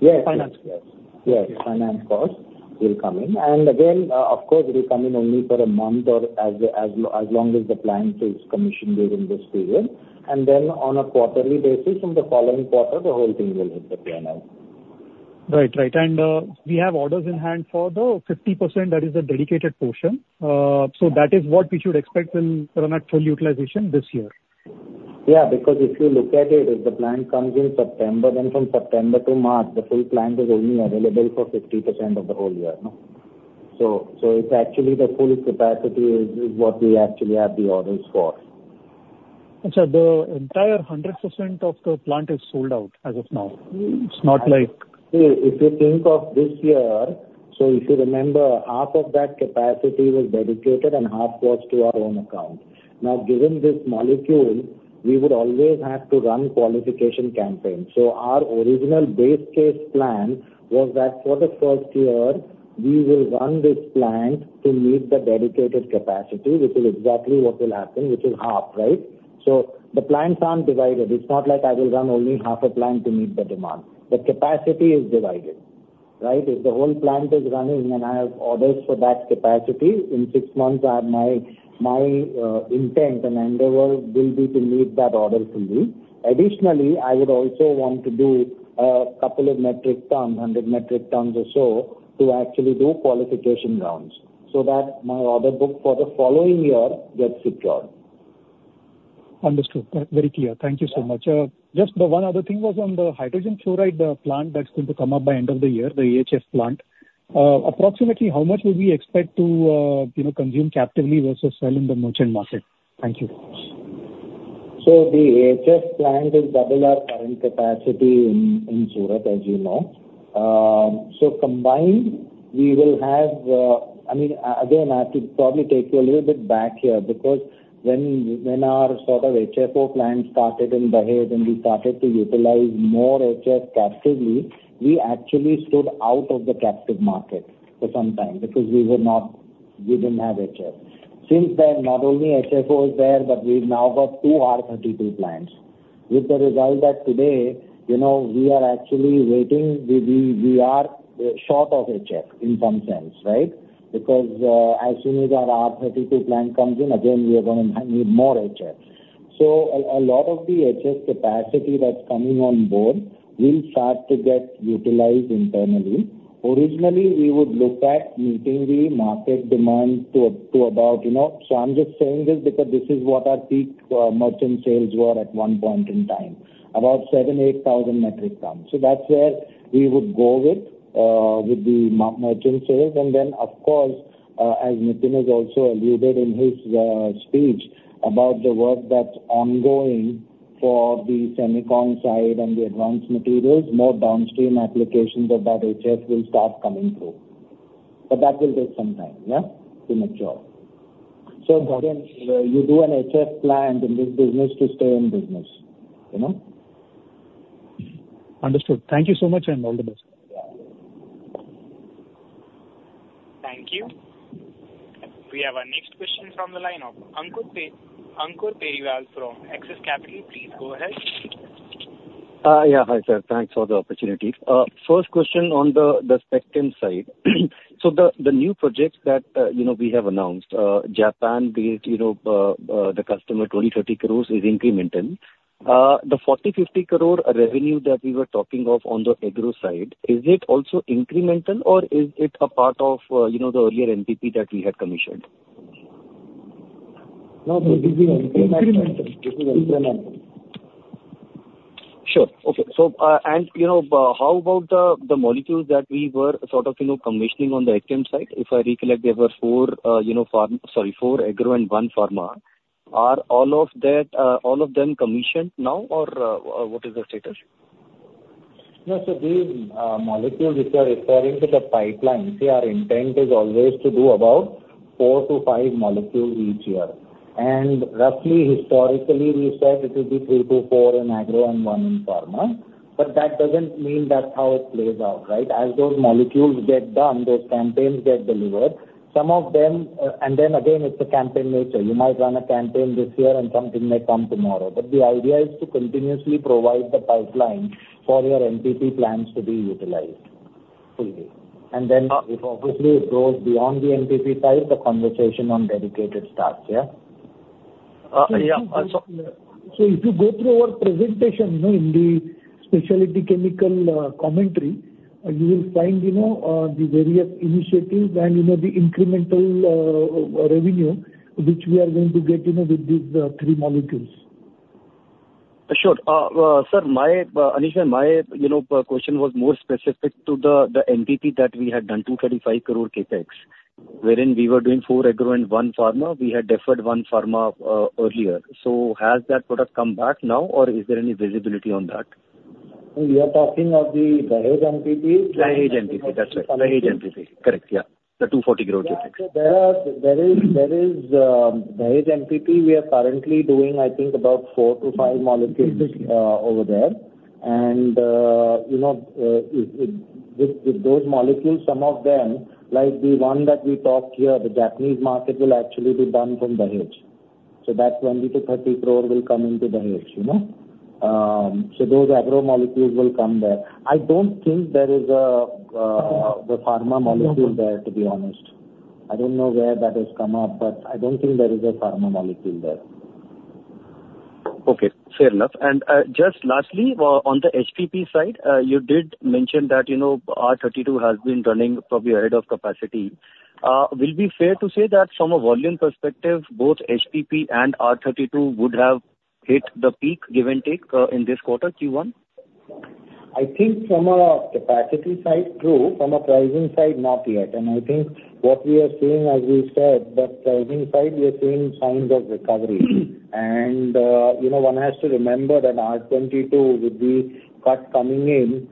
Yes. Finance. Yes. Yes, finance cost will come in. And again, of course, it will come in only for a month or as long as the plant is commissioned during this period. And then on a quarterly basis, from the following quarter, the whole thing will hit the P&L. Right. Right. And, we have orders in hand for the 50%, that is the dedicated portion. So that is what we should expect will run at full utilization this year? Yeah, because if you look at it, if the plant comes in September, then from September to March, the full plant is only available for 50% of the whole year, no? So, so it's actually the full capacity is, is what we actually have the orders for. The entire 100% of the plant is sold out as of now. It's not like- If you think of this year, so if you remember, half of that capacity was dedicated and half was to our own account. Now, given this molecule, we would always have to run qualification campaigns. So our original base case plan was that for the first year, we will run this plant to meet the dedicated capacity, which is exactly what will happen, which is half, right? So the plants aren't divided. It's not like I will run only half a plant to meet the demand. The capacity is divided, right? If the whole plant is running and I have orders for that capacity, in six months, my intent and endeavor will be to meet that order fully. Additionally, I would also want to do a couple of metric tons, 100 metric tons or so, to actually do qualification rounds, so that my order book for the following year gets secured. Understood. Very clear. Thank you so much. Yeah. Just the one other thing was on the hydrogen fluoride plant that's going to come up by end of the year, the AHF plant. Approximately how much would we expect to, you know, consume captively versus sell in the merchant market? Thank you. So the AHF plant is double our current capacity in Surat, as you know. So combined, we will have. I mean, again, I have to probably take you a little bit back here, because when our sort of HFO plant started in Dahej, and we started to utilize more AHF captively, we actually stood out of the captive market for some time because we were not-- we didn't have AHF. Since then, not only HFO is there, but we've now got two R32 plants, with the result that today, you know, we are actually waiting. We are short of AHF in some sense, right? Because as soon as our R32 plant comes in, again, we are gonna need more AHF. So a lot of the AHF capacity that's coming on board will start to get utilized internally. Originally, we would look at meeting the market demand to about, you know. So I'm just saying this because this is what our peak merchant sales were at one point in time, about 7,000-8,000 metric tons. So that's where we would go with the merchant sales. And then, of course, as Nitin has also alluded in his speech, about the work that's ongoing for the semicon side and the advanced materials, more downstream applications of that AHF will start coming through. But that will take some time, yeah, to mature. So again, you do an AHF plant in this business to stay in business, you know? Understood. Thank you so much, and all the best. Thank you. We have our next question from the line of Ankur Periwal from Axis Capital. Please go ahead. Yeah. Hi, sir. Thanks for the opportunity. First question on the Spectrum side. So the new projects that you know we have announced, Japan-based, you know, the customer 20-30 crore is incremental. The 40-50 crore revenue that we were talking of on the agro side, is it also incremental or is it a part of you know the earlier MPP that we had commissioned? No, this is incremental. Incremental. This is incremental. Sure. Okay. So, and, you know, how about the, the molecules that we were sort of, you know, commissioning on the Spec Chem side? If I recollect, there were four, you know, pharm-- Sorry, four agro and one pharma. Are all of that, all of them commissioned now, or, what is the status? No, so these molecules which are referring to the pipeline, see, our intent is always to do about 4-5 molecules each year. And roughly historically, we said it will be 3-4 in agro and one in pharma, but that doesn't mean that's how it plays out, right? As those molecules get done, those campaigns get delivered, some of them. And then again, it's a campaign nature. You might run a campaign this year, and something may come tomorrow. But the idea is to continuously provide the pipeline for your MPP plans to be utilized fully. And then if obviously it goes beyond the MPP side, the conversation on dedicated starts, yeah? Yeah So if you go through our presentation, you know, in the specialty chemical commentary, you will find, you know, the various initiatives and, you know, the incremental revenue, which we are going to get, you know, with these three molecules. Sure. Sir, my Anish and my, you know, question was more specific to the, the MPP that we had done, 235 crore CapEx, wherein we were doing four agro and one pharma. We had deferred one pharma, earlier. So has that product come back now, or is there any visibility on that? We are talking of the Dahej MPP? Dahej MPP, that's right. Dahej MPP. Correct, yeah. The 240 crore CapEx. There is Dahej MPP. We are currently doing, I think, about 4-5 molecules over there. You know, it with those molecules, some of them, like the one that we talked here, the Japanese market will actually be done from Dahej. So that 20 crore-30 crore will come into Dahej, you know? So those agro molecules will come there. I don't think there is a the pharma molecule there, to be honest. I don't know where that has come up, but I don't think there is a pharma molecule there. Okay, fair enough. And, just lastly, on the HPP side, you did mention that, you know, R32 has been running probably ahead of capacity. Will be fair to say that from a volume perspective, both HPP and R32 would have hit the peak, give and take, in this quarter, Q1? I think from a capacity side, true. From a pricing side, not yet. And I think what we are seeing, as we said, the pricing side, we are seeing signs of recovery. And, you know, one has to remember that R-22, with the cut coming in,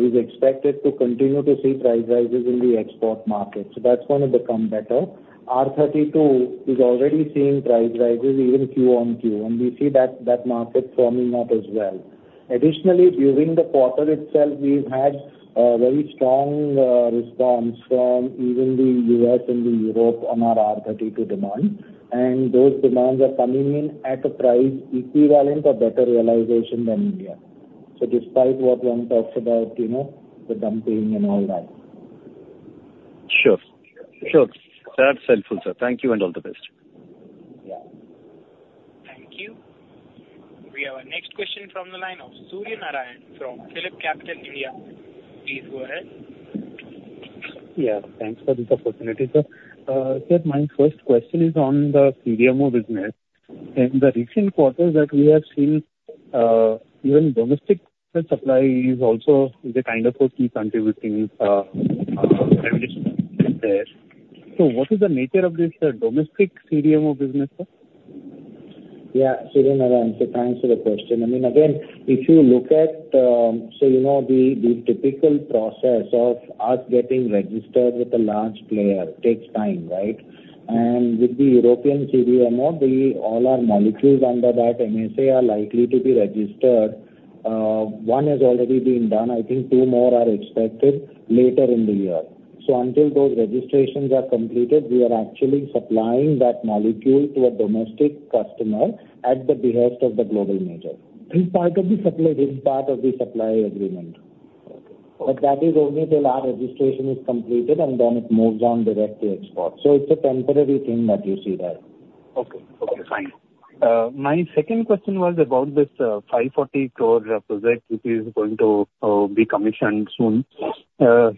is expected to continue to see price rises in the export market. So that's going to become better. R-32 is already seeing price rises, even Q on Q, and we see that, that market firming up as well. Additionally, during the quarter itself, we've had, very strong, response from even the U.S. and Europe on our R-32 demand, and those demands are coming in at a price equivalent or better realization than India. So despite what one talks about, you know, the dumping and all that. Sure. Sure. That's helpful, sir. Thank you, and all the best. Yeah. Thank you. We have our next question from the line of Surya Patra from PhillipCapital. Please go ahead. Yeah, thanks for this opportunity, sir. Sir, my first question is on the CDMO business. In the recent quarter that we have seen, even domestic supply is also the kind of key contributing there. So what is the nature of this domestic CDMO business, sir? Yeah, Surya Patra, so thanks for the question. I mean, again, if you look at, so you know, the typical process of us getting registered with a large player takes time, right? And with the European CDMO, all our molecules under that MSA are likely to be registered. One has already been done. I think 2 more are expected later in the year. So until those registrations are completed, we are actually supplying that molecule to a domestic customer at the behest of the global major. It's part of the supply? It's part of the supply agreement. Okay. But that is only till our registration is completed, and then it moves on directly to export. So it's a temporary thing that you see there. Okay. Okay, fine. My second question was about this 540 crore project, which is going to be commissioned soon. Here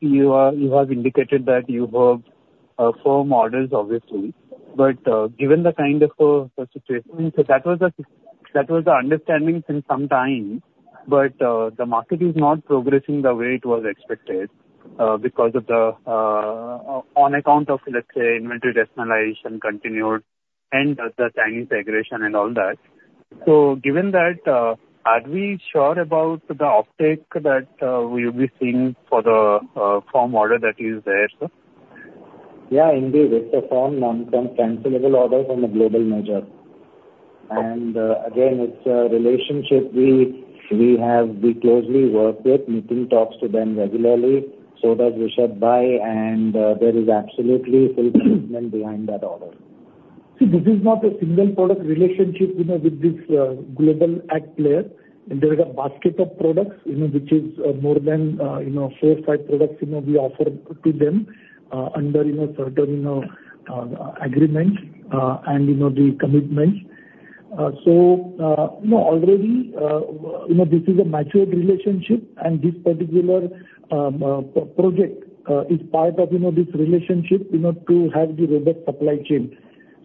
you are, you have indicated that you have firm orders, obviously, but given the kind of situation, so that was the, that was the understanding since some time, but the market is not progressing the way it was expected because of the on account of, let's say, inventory rationalization continued and the Chinese aggression and all that. So given that, are we sure about the uptake that we'll be seeing for the firm order that is there, sir? Yeah, indeed. It's a firm, firm transferable order from a global major. And, again, it's a relationship we, we have, we closely work with. Nitin talks to them regularly, so does Rishabh Bhai, and there is absolutely full commitment behind that order. See, this is not a single product relationship, you know, with this global ag player. There is a basket of products, you know, which is more than, you know, four, five products, you know, we offer to them under, you know, certain, you know, agreements, and, you know, the commitments. So, you know, already, you know, this is a matured relationship, and this particular project is part of, you know, this relationship, you know, to have the robust supply chain.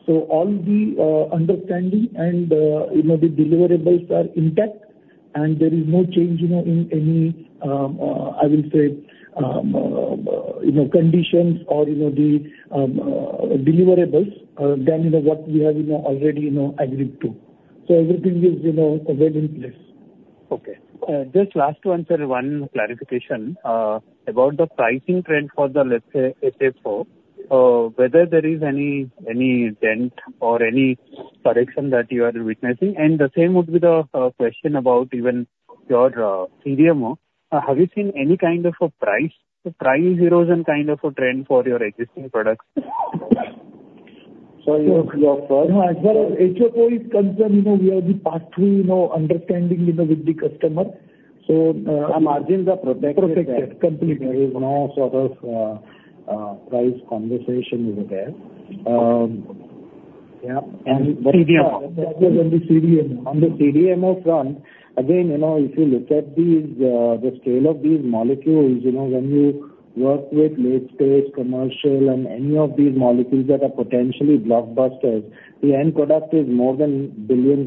So all the understanding and, you know, the deliverables are intact, and there is no change, you know, in any, I will say, you know, conditions or, you know, the deliverables than, you know, what we have, you know, already, you know, agreed to. Everything is, you know, ahead in place. Okay. Just last one, sir, one clarification about the pricing trend for the, let's say, HFO. Whether there is any, any dent or any correction that you are witnessing, and the same would be the question about even your CDMO. Have you seen any kind of a price, price erosion kind of a trend for your existing products? Sorry, as far as HFO is concerned, you know, we are the pass-through, you know, understanding, you know, with the customer. So, Our margins are protected. Protected, completely. There is no sort of price conversation over there. Yeah, and CDMO. On the CDMO. On the CDMO front, again, you know, if you look at these, the scale of these molecules, you know, when you work with late-stage commercial and any of these molecules that are potentially blockbusters, the end product is more than $ billions,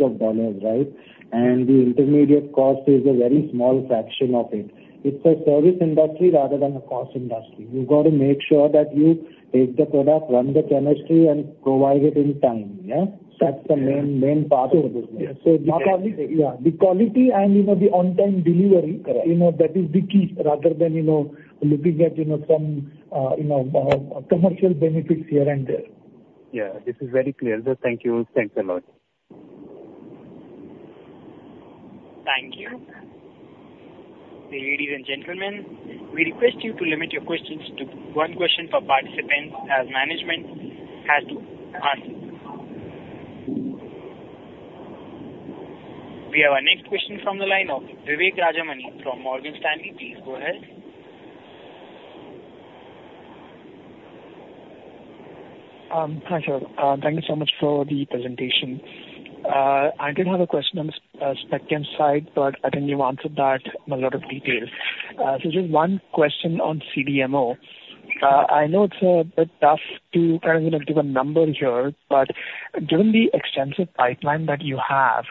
right? And the intermediate cost is a very small fraction of it. It's a service industry rather than a cost industry. You've got to make sure that you take the product, run the chemistry, and provide it in time, yeah? That's the main, main part of the business. Yes. the quality yeah, the quality and, you know, the on-time delivery Correct. you know, that is the key, rather than, you know, looking at, you know, some, you know, commercial benefits here and there. Yeah, this is very clear. Thank you. Thanks a lot. Thank you. Ladies and gentlemen, we request you to limit your questions to one question per participant, as management has to answer. We have our next question from the line of Vivek Rajamani from Morgan Stanley. Please go ahead. Hi, sir. Thank you so much for the presentation. I did have a question on the specialty side, but I think you answered that in a lot of detail. So just one question on CDMO. I know it's a bit tough to kind of, you know, give a number here, but given the extensive pipeline that you have,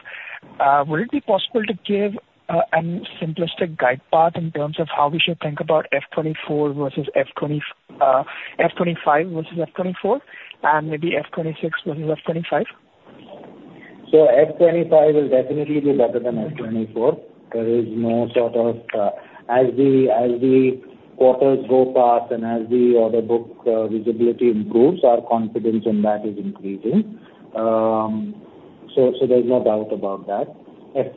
would it be possible to give a simplistic guide path in terms of how we should think about FY 2024 versus FY 2025 versus FY 2024, and maybe FY 2026 versus FY 2025? So FY 2025 will definitely be better than FY 2024. There is no sort of. As the quarters go past and as the order book visibility improves, our confidence in that is increasing. So there's no doubt about that.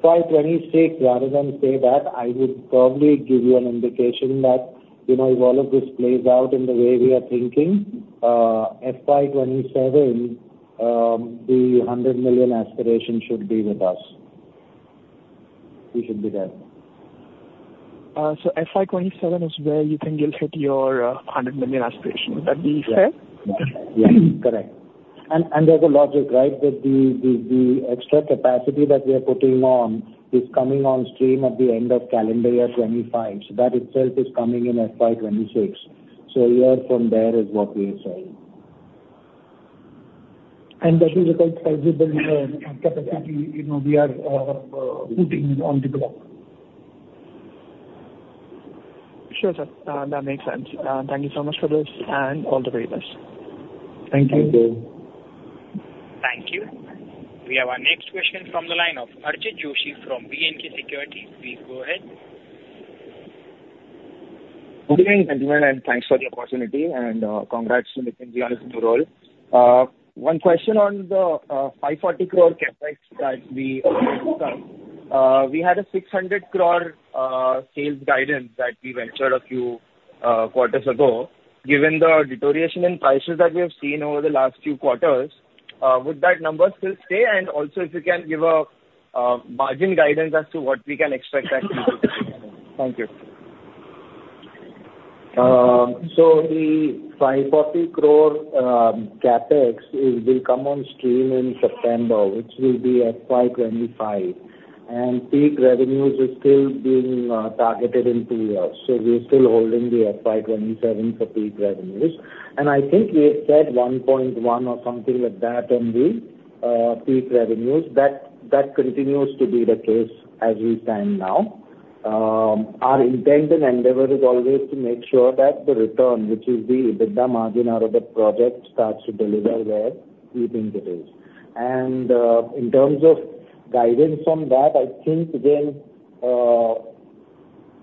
FY 2026, rather than say that, I would probably give you an indication that, you know, if all of this plays out in the way we are thinking, FY 2027, the $100 million aspiration should be with us. We should be there. So FY 2027 is where you think you'll hit your $100 million aspiration. Would that be fair? Yes. Yes. Correct. And there's a logic, right? That the extra capacity that we are putting on is coming on stream at the end of calendar year 2025. So that itself is coming in FY 2026. So year from there is what we are saying. That is a quite sizable capacity, you know, we are putting on the block. Sure, sir. That makes sense. Thank you so much for this and all the very best. Thank you. Thank you. Thank you. We have our next question from the line of Archit Joshi from B&K Securities. Please go ahead. Good day, gentlemen, and thanks for the opportunity and, congrats to Nitin Kulkarni's new role. One question on the 540 crore CapEx, we had a 600 crore sales guidance that we ventured a few quarters ago. Given the deterioration in prices that we have seen over the last few quarters, would that number still stay? And also, if you can give a margin guidance as to what we can expect that to be. Thank you. So the 540 crore CapEx, it will come on stream in September, which will be FY 2025, and peak revenues is still being targeted in two years. So we're still holding the FY 2027 for peak revenues. And I think we had said 1.1 or something like that in the peak revenues. That, that continues to be the case as we stand now. Our intent and endeavor is always to make sure that the return, which is the EBITDA margin out of the project, starts to deliver where we think it is. And in terms of guidance from that, I think, again,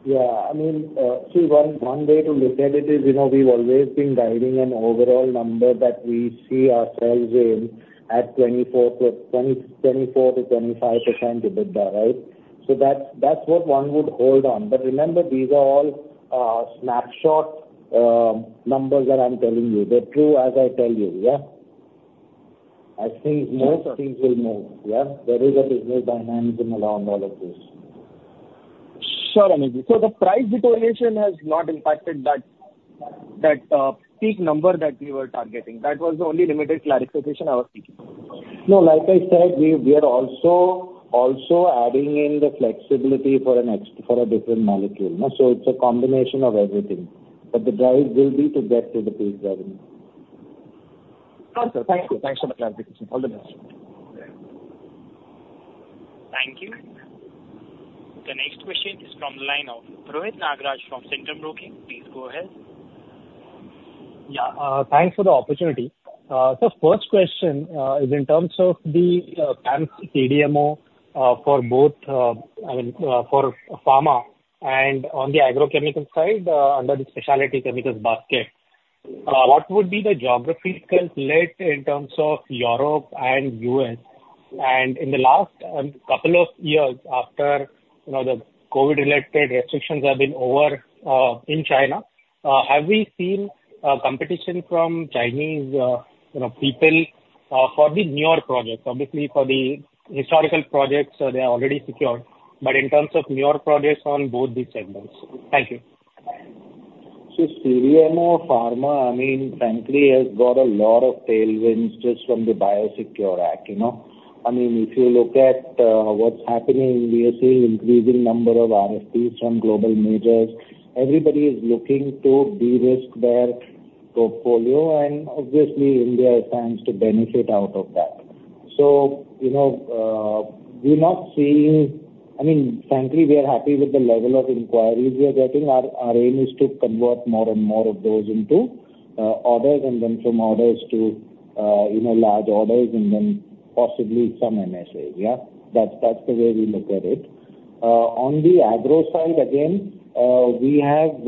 Yeah, I mean, see, one way to look at it is, you know, we've always been guiding an overall number that we see ourselves in at 24%-25% EBITDA, right? So that's, that's what one would hold on. But remember, these are all, snapshot, numbers that I'm telling you. They're true as I tell you, yeah? I think most things will move, yeah. There is a business dynamics around all of this. Sure, Amit. So the price deterioration has not impacted that, that, peak number that we were targeting. That was the only limited clarification I was seeking. No, like I said, we are also adding in the flexibility for a different molecule, so it's a combination of everything, but the drive will be to get to the peak revenue. Got it, thank you. Thanks for the clarification. All the best. Thank you. The next question is from the line of Rohit Nagaraj from Centrum Broking. Please go ahead. Yeah, thanks for the opportunity. So first question is in terms of the CDMO for both, I mean, for pharma and on the agrochemical side, under the specialty chemicals basket, what would be the geographical split in terms of Europe and US? And in the last couple of years after, you know, the COVID-related restrictions have been over in China, have we seen competition from Chinese, you know, people for the newer projects? Obviously, for the historical projects, they are already secured, but in terms of newer projects on both these segments. Thank you. So CDMO pharma, I mean, frankly, has got a lot of tailwinds just from the BioSecure Act, you know. I mean, if you look at what's happening, we are seeing increasing number of RFPs from global majors. Everybody is looking to de-risk their portfolio, and obviously India stands to benefit out of that. So, you know, we're not seeing. I mean, frankly, we are happy with the level of inquiries we are getting. Our aim is to convert more and more of those into orders, and then from orders to, you know, large orders, and then possibly some MSAs, yeah. That's the way we look at it. On the agro side, again, we have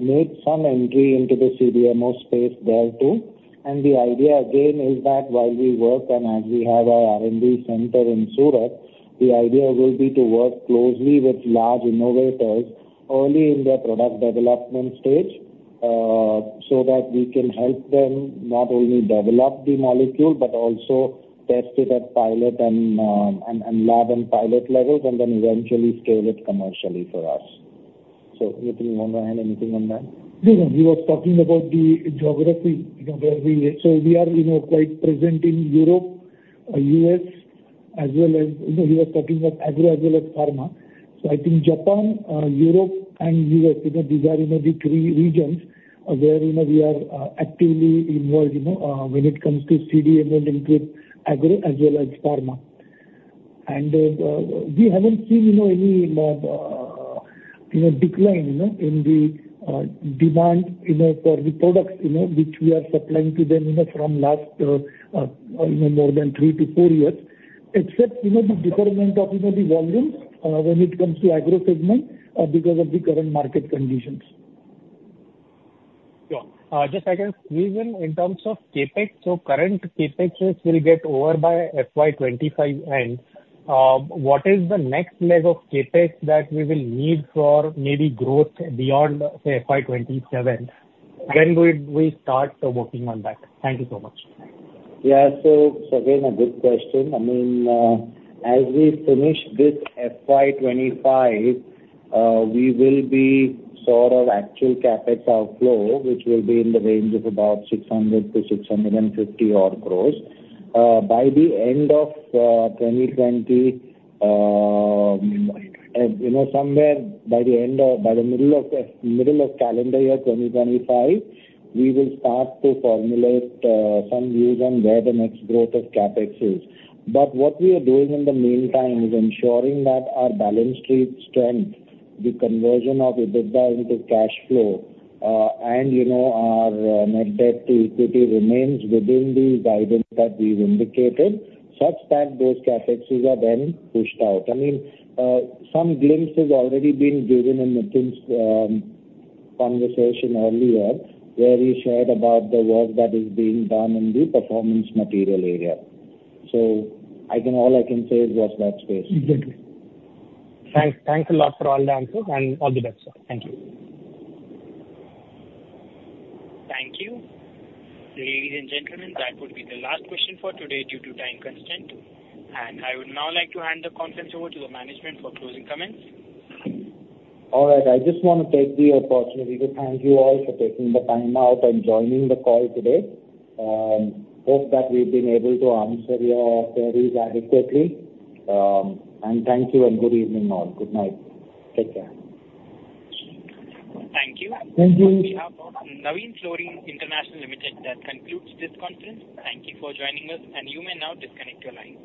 made some entry into the CDMO space there, too. The idea again is that while we work and as we have our R&D center in Surat, the idea will be to work closely with large innovators early in their product development stage, so that we can help them not only develop the molecule, but also test it at pilot and lab and pilot levels, and then eventually scale it commercially for us. Nitin, you want to add anything on that? No, no. He was talking about the geography, geography. So we are, you know, quite present in Europe, US, as well as, you know, he was talking about agro as well as pharma. So I think Japan, Europe and US, you know, these are, you know, the three regions where, you know, we are actively involved, you know, when it comes to CDMO, including agro as well as pharma. And we haven't seen, you know, any decline, you know, in the demand, you know, for the products, you know, which we are supplying to them, you know, from last, you know, more than 3-4 years, except, you know, the deferment of, you know, the volumes, when it comes to agro segment, because of the current market conditions. Sure. Just second reason in terms of CapEx. So current CapEx rates will get over by FY 25 end. What is the next leg of CapEx that we will need for maybe growth beyond, say, FY 27? When do we start working on that? Thank you so much. Yeah. So, so again, a good question. I mean, as we finish this FY 2025, we will be sort of actual CapEx outflow, which will be in the range of about 600-650 crores. By the end of 2020, you know, somewhere by the end of-- by the middle of, middle of calendar year 2025, we will start to formulate some views on where the next growth of CapEx is. But what we are doing in the meantime is ensuring that our balance sheet strength, the conversion of EBITDA into cash flow, and, you know, our net debt to equity remains within the guidance that we've indicated, such that those CapExes are then pushed out. I mean, some glimpse has already been given in Nitin's conversation earlier, where we shared about the work that is being done in the performance material area. So all I can say is watch that space. Exactly. Thanks, thanks a lot for all the answers, and all the best, sir. Thank you. Thank you. Ladies and gentlemen, that would be the last question for today due to time constraint, and I would now like to hand the conference over to the management for closing comments. All right. I just want to take the opportunity to thank you all for taking the time out and joining the call today. Hope that we've been able to answer your queries adequately. And thank you, and good evening all. Good night. Take care. Thank you. Thank you. On behalf of Navin Fluorine International Limited, that concludes this conference. Thank you for joining us, and you may now disconnect your lines.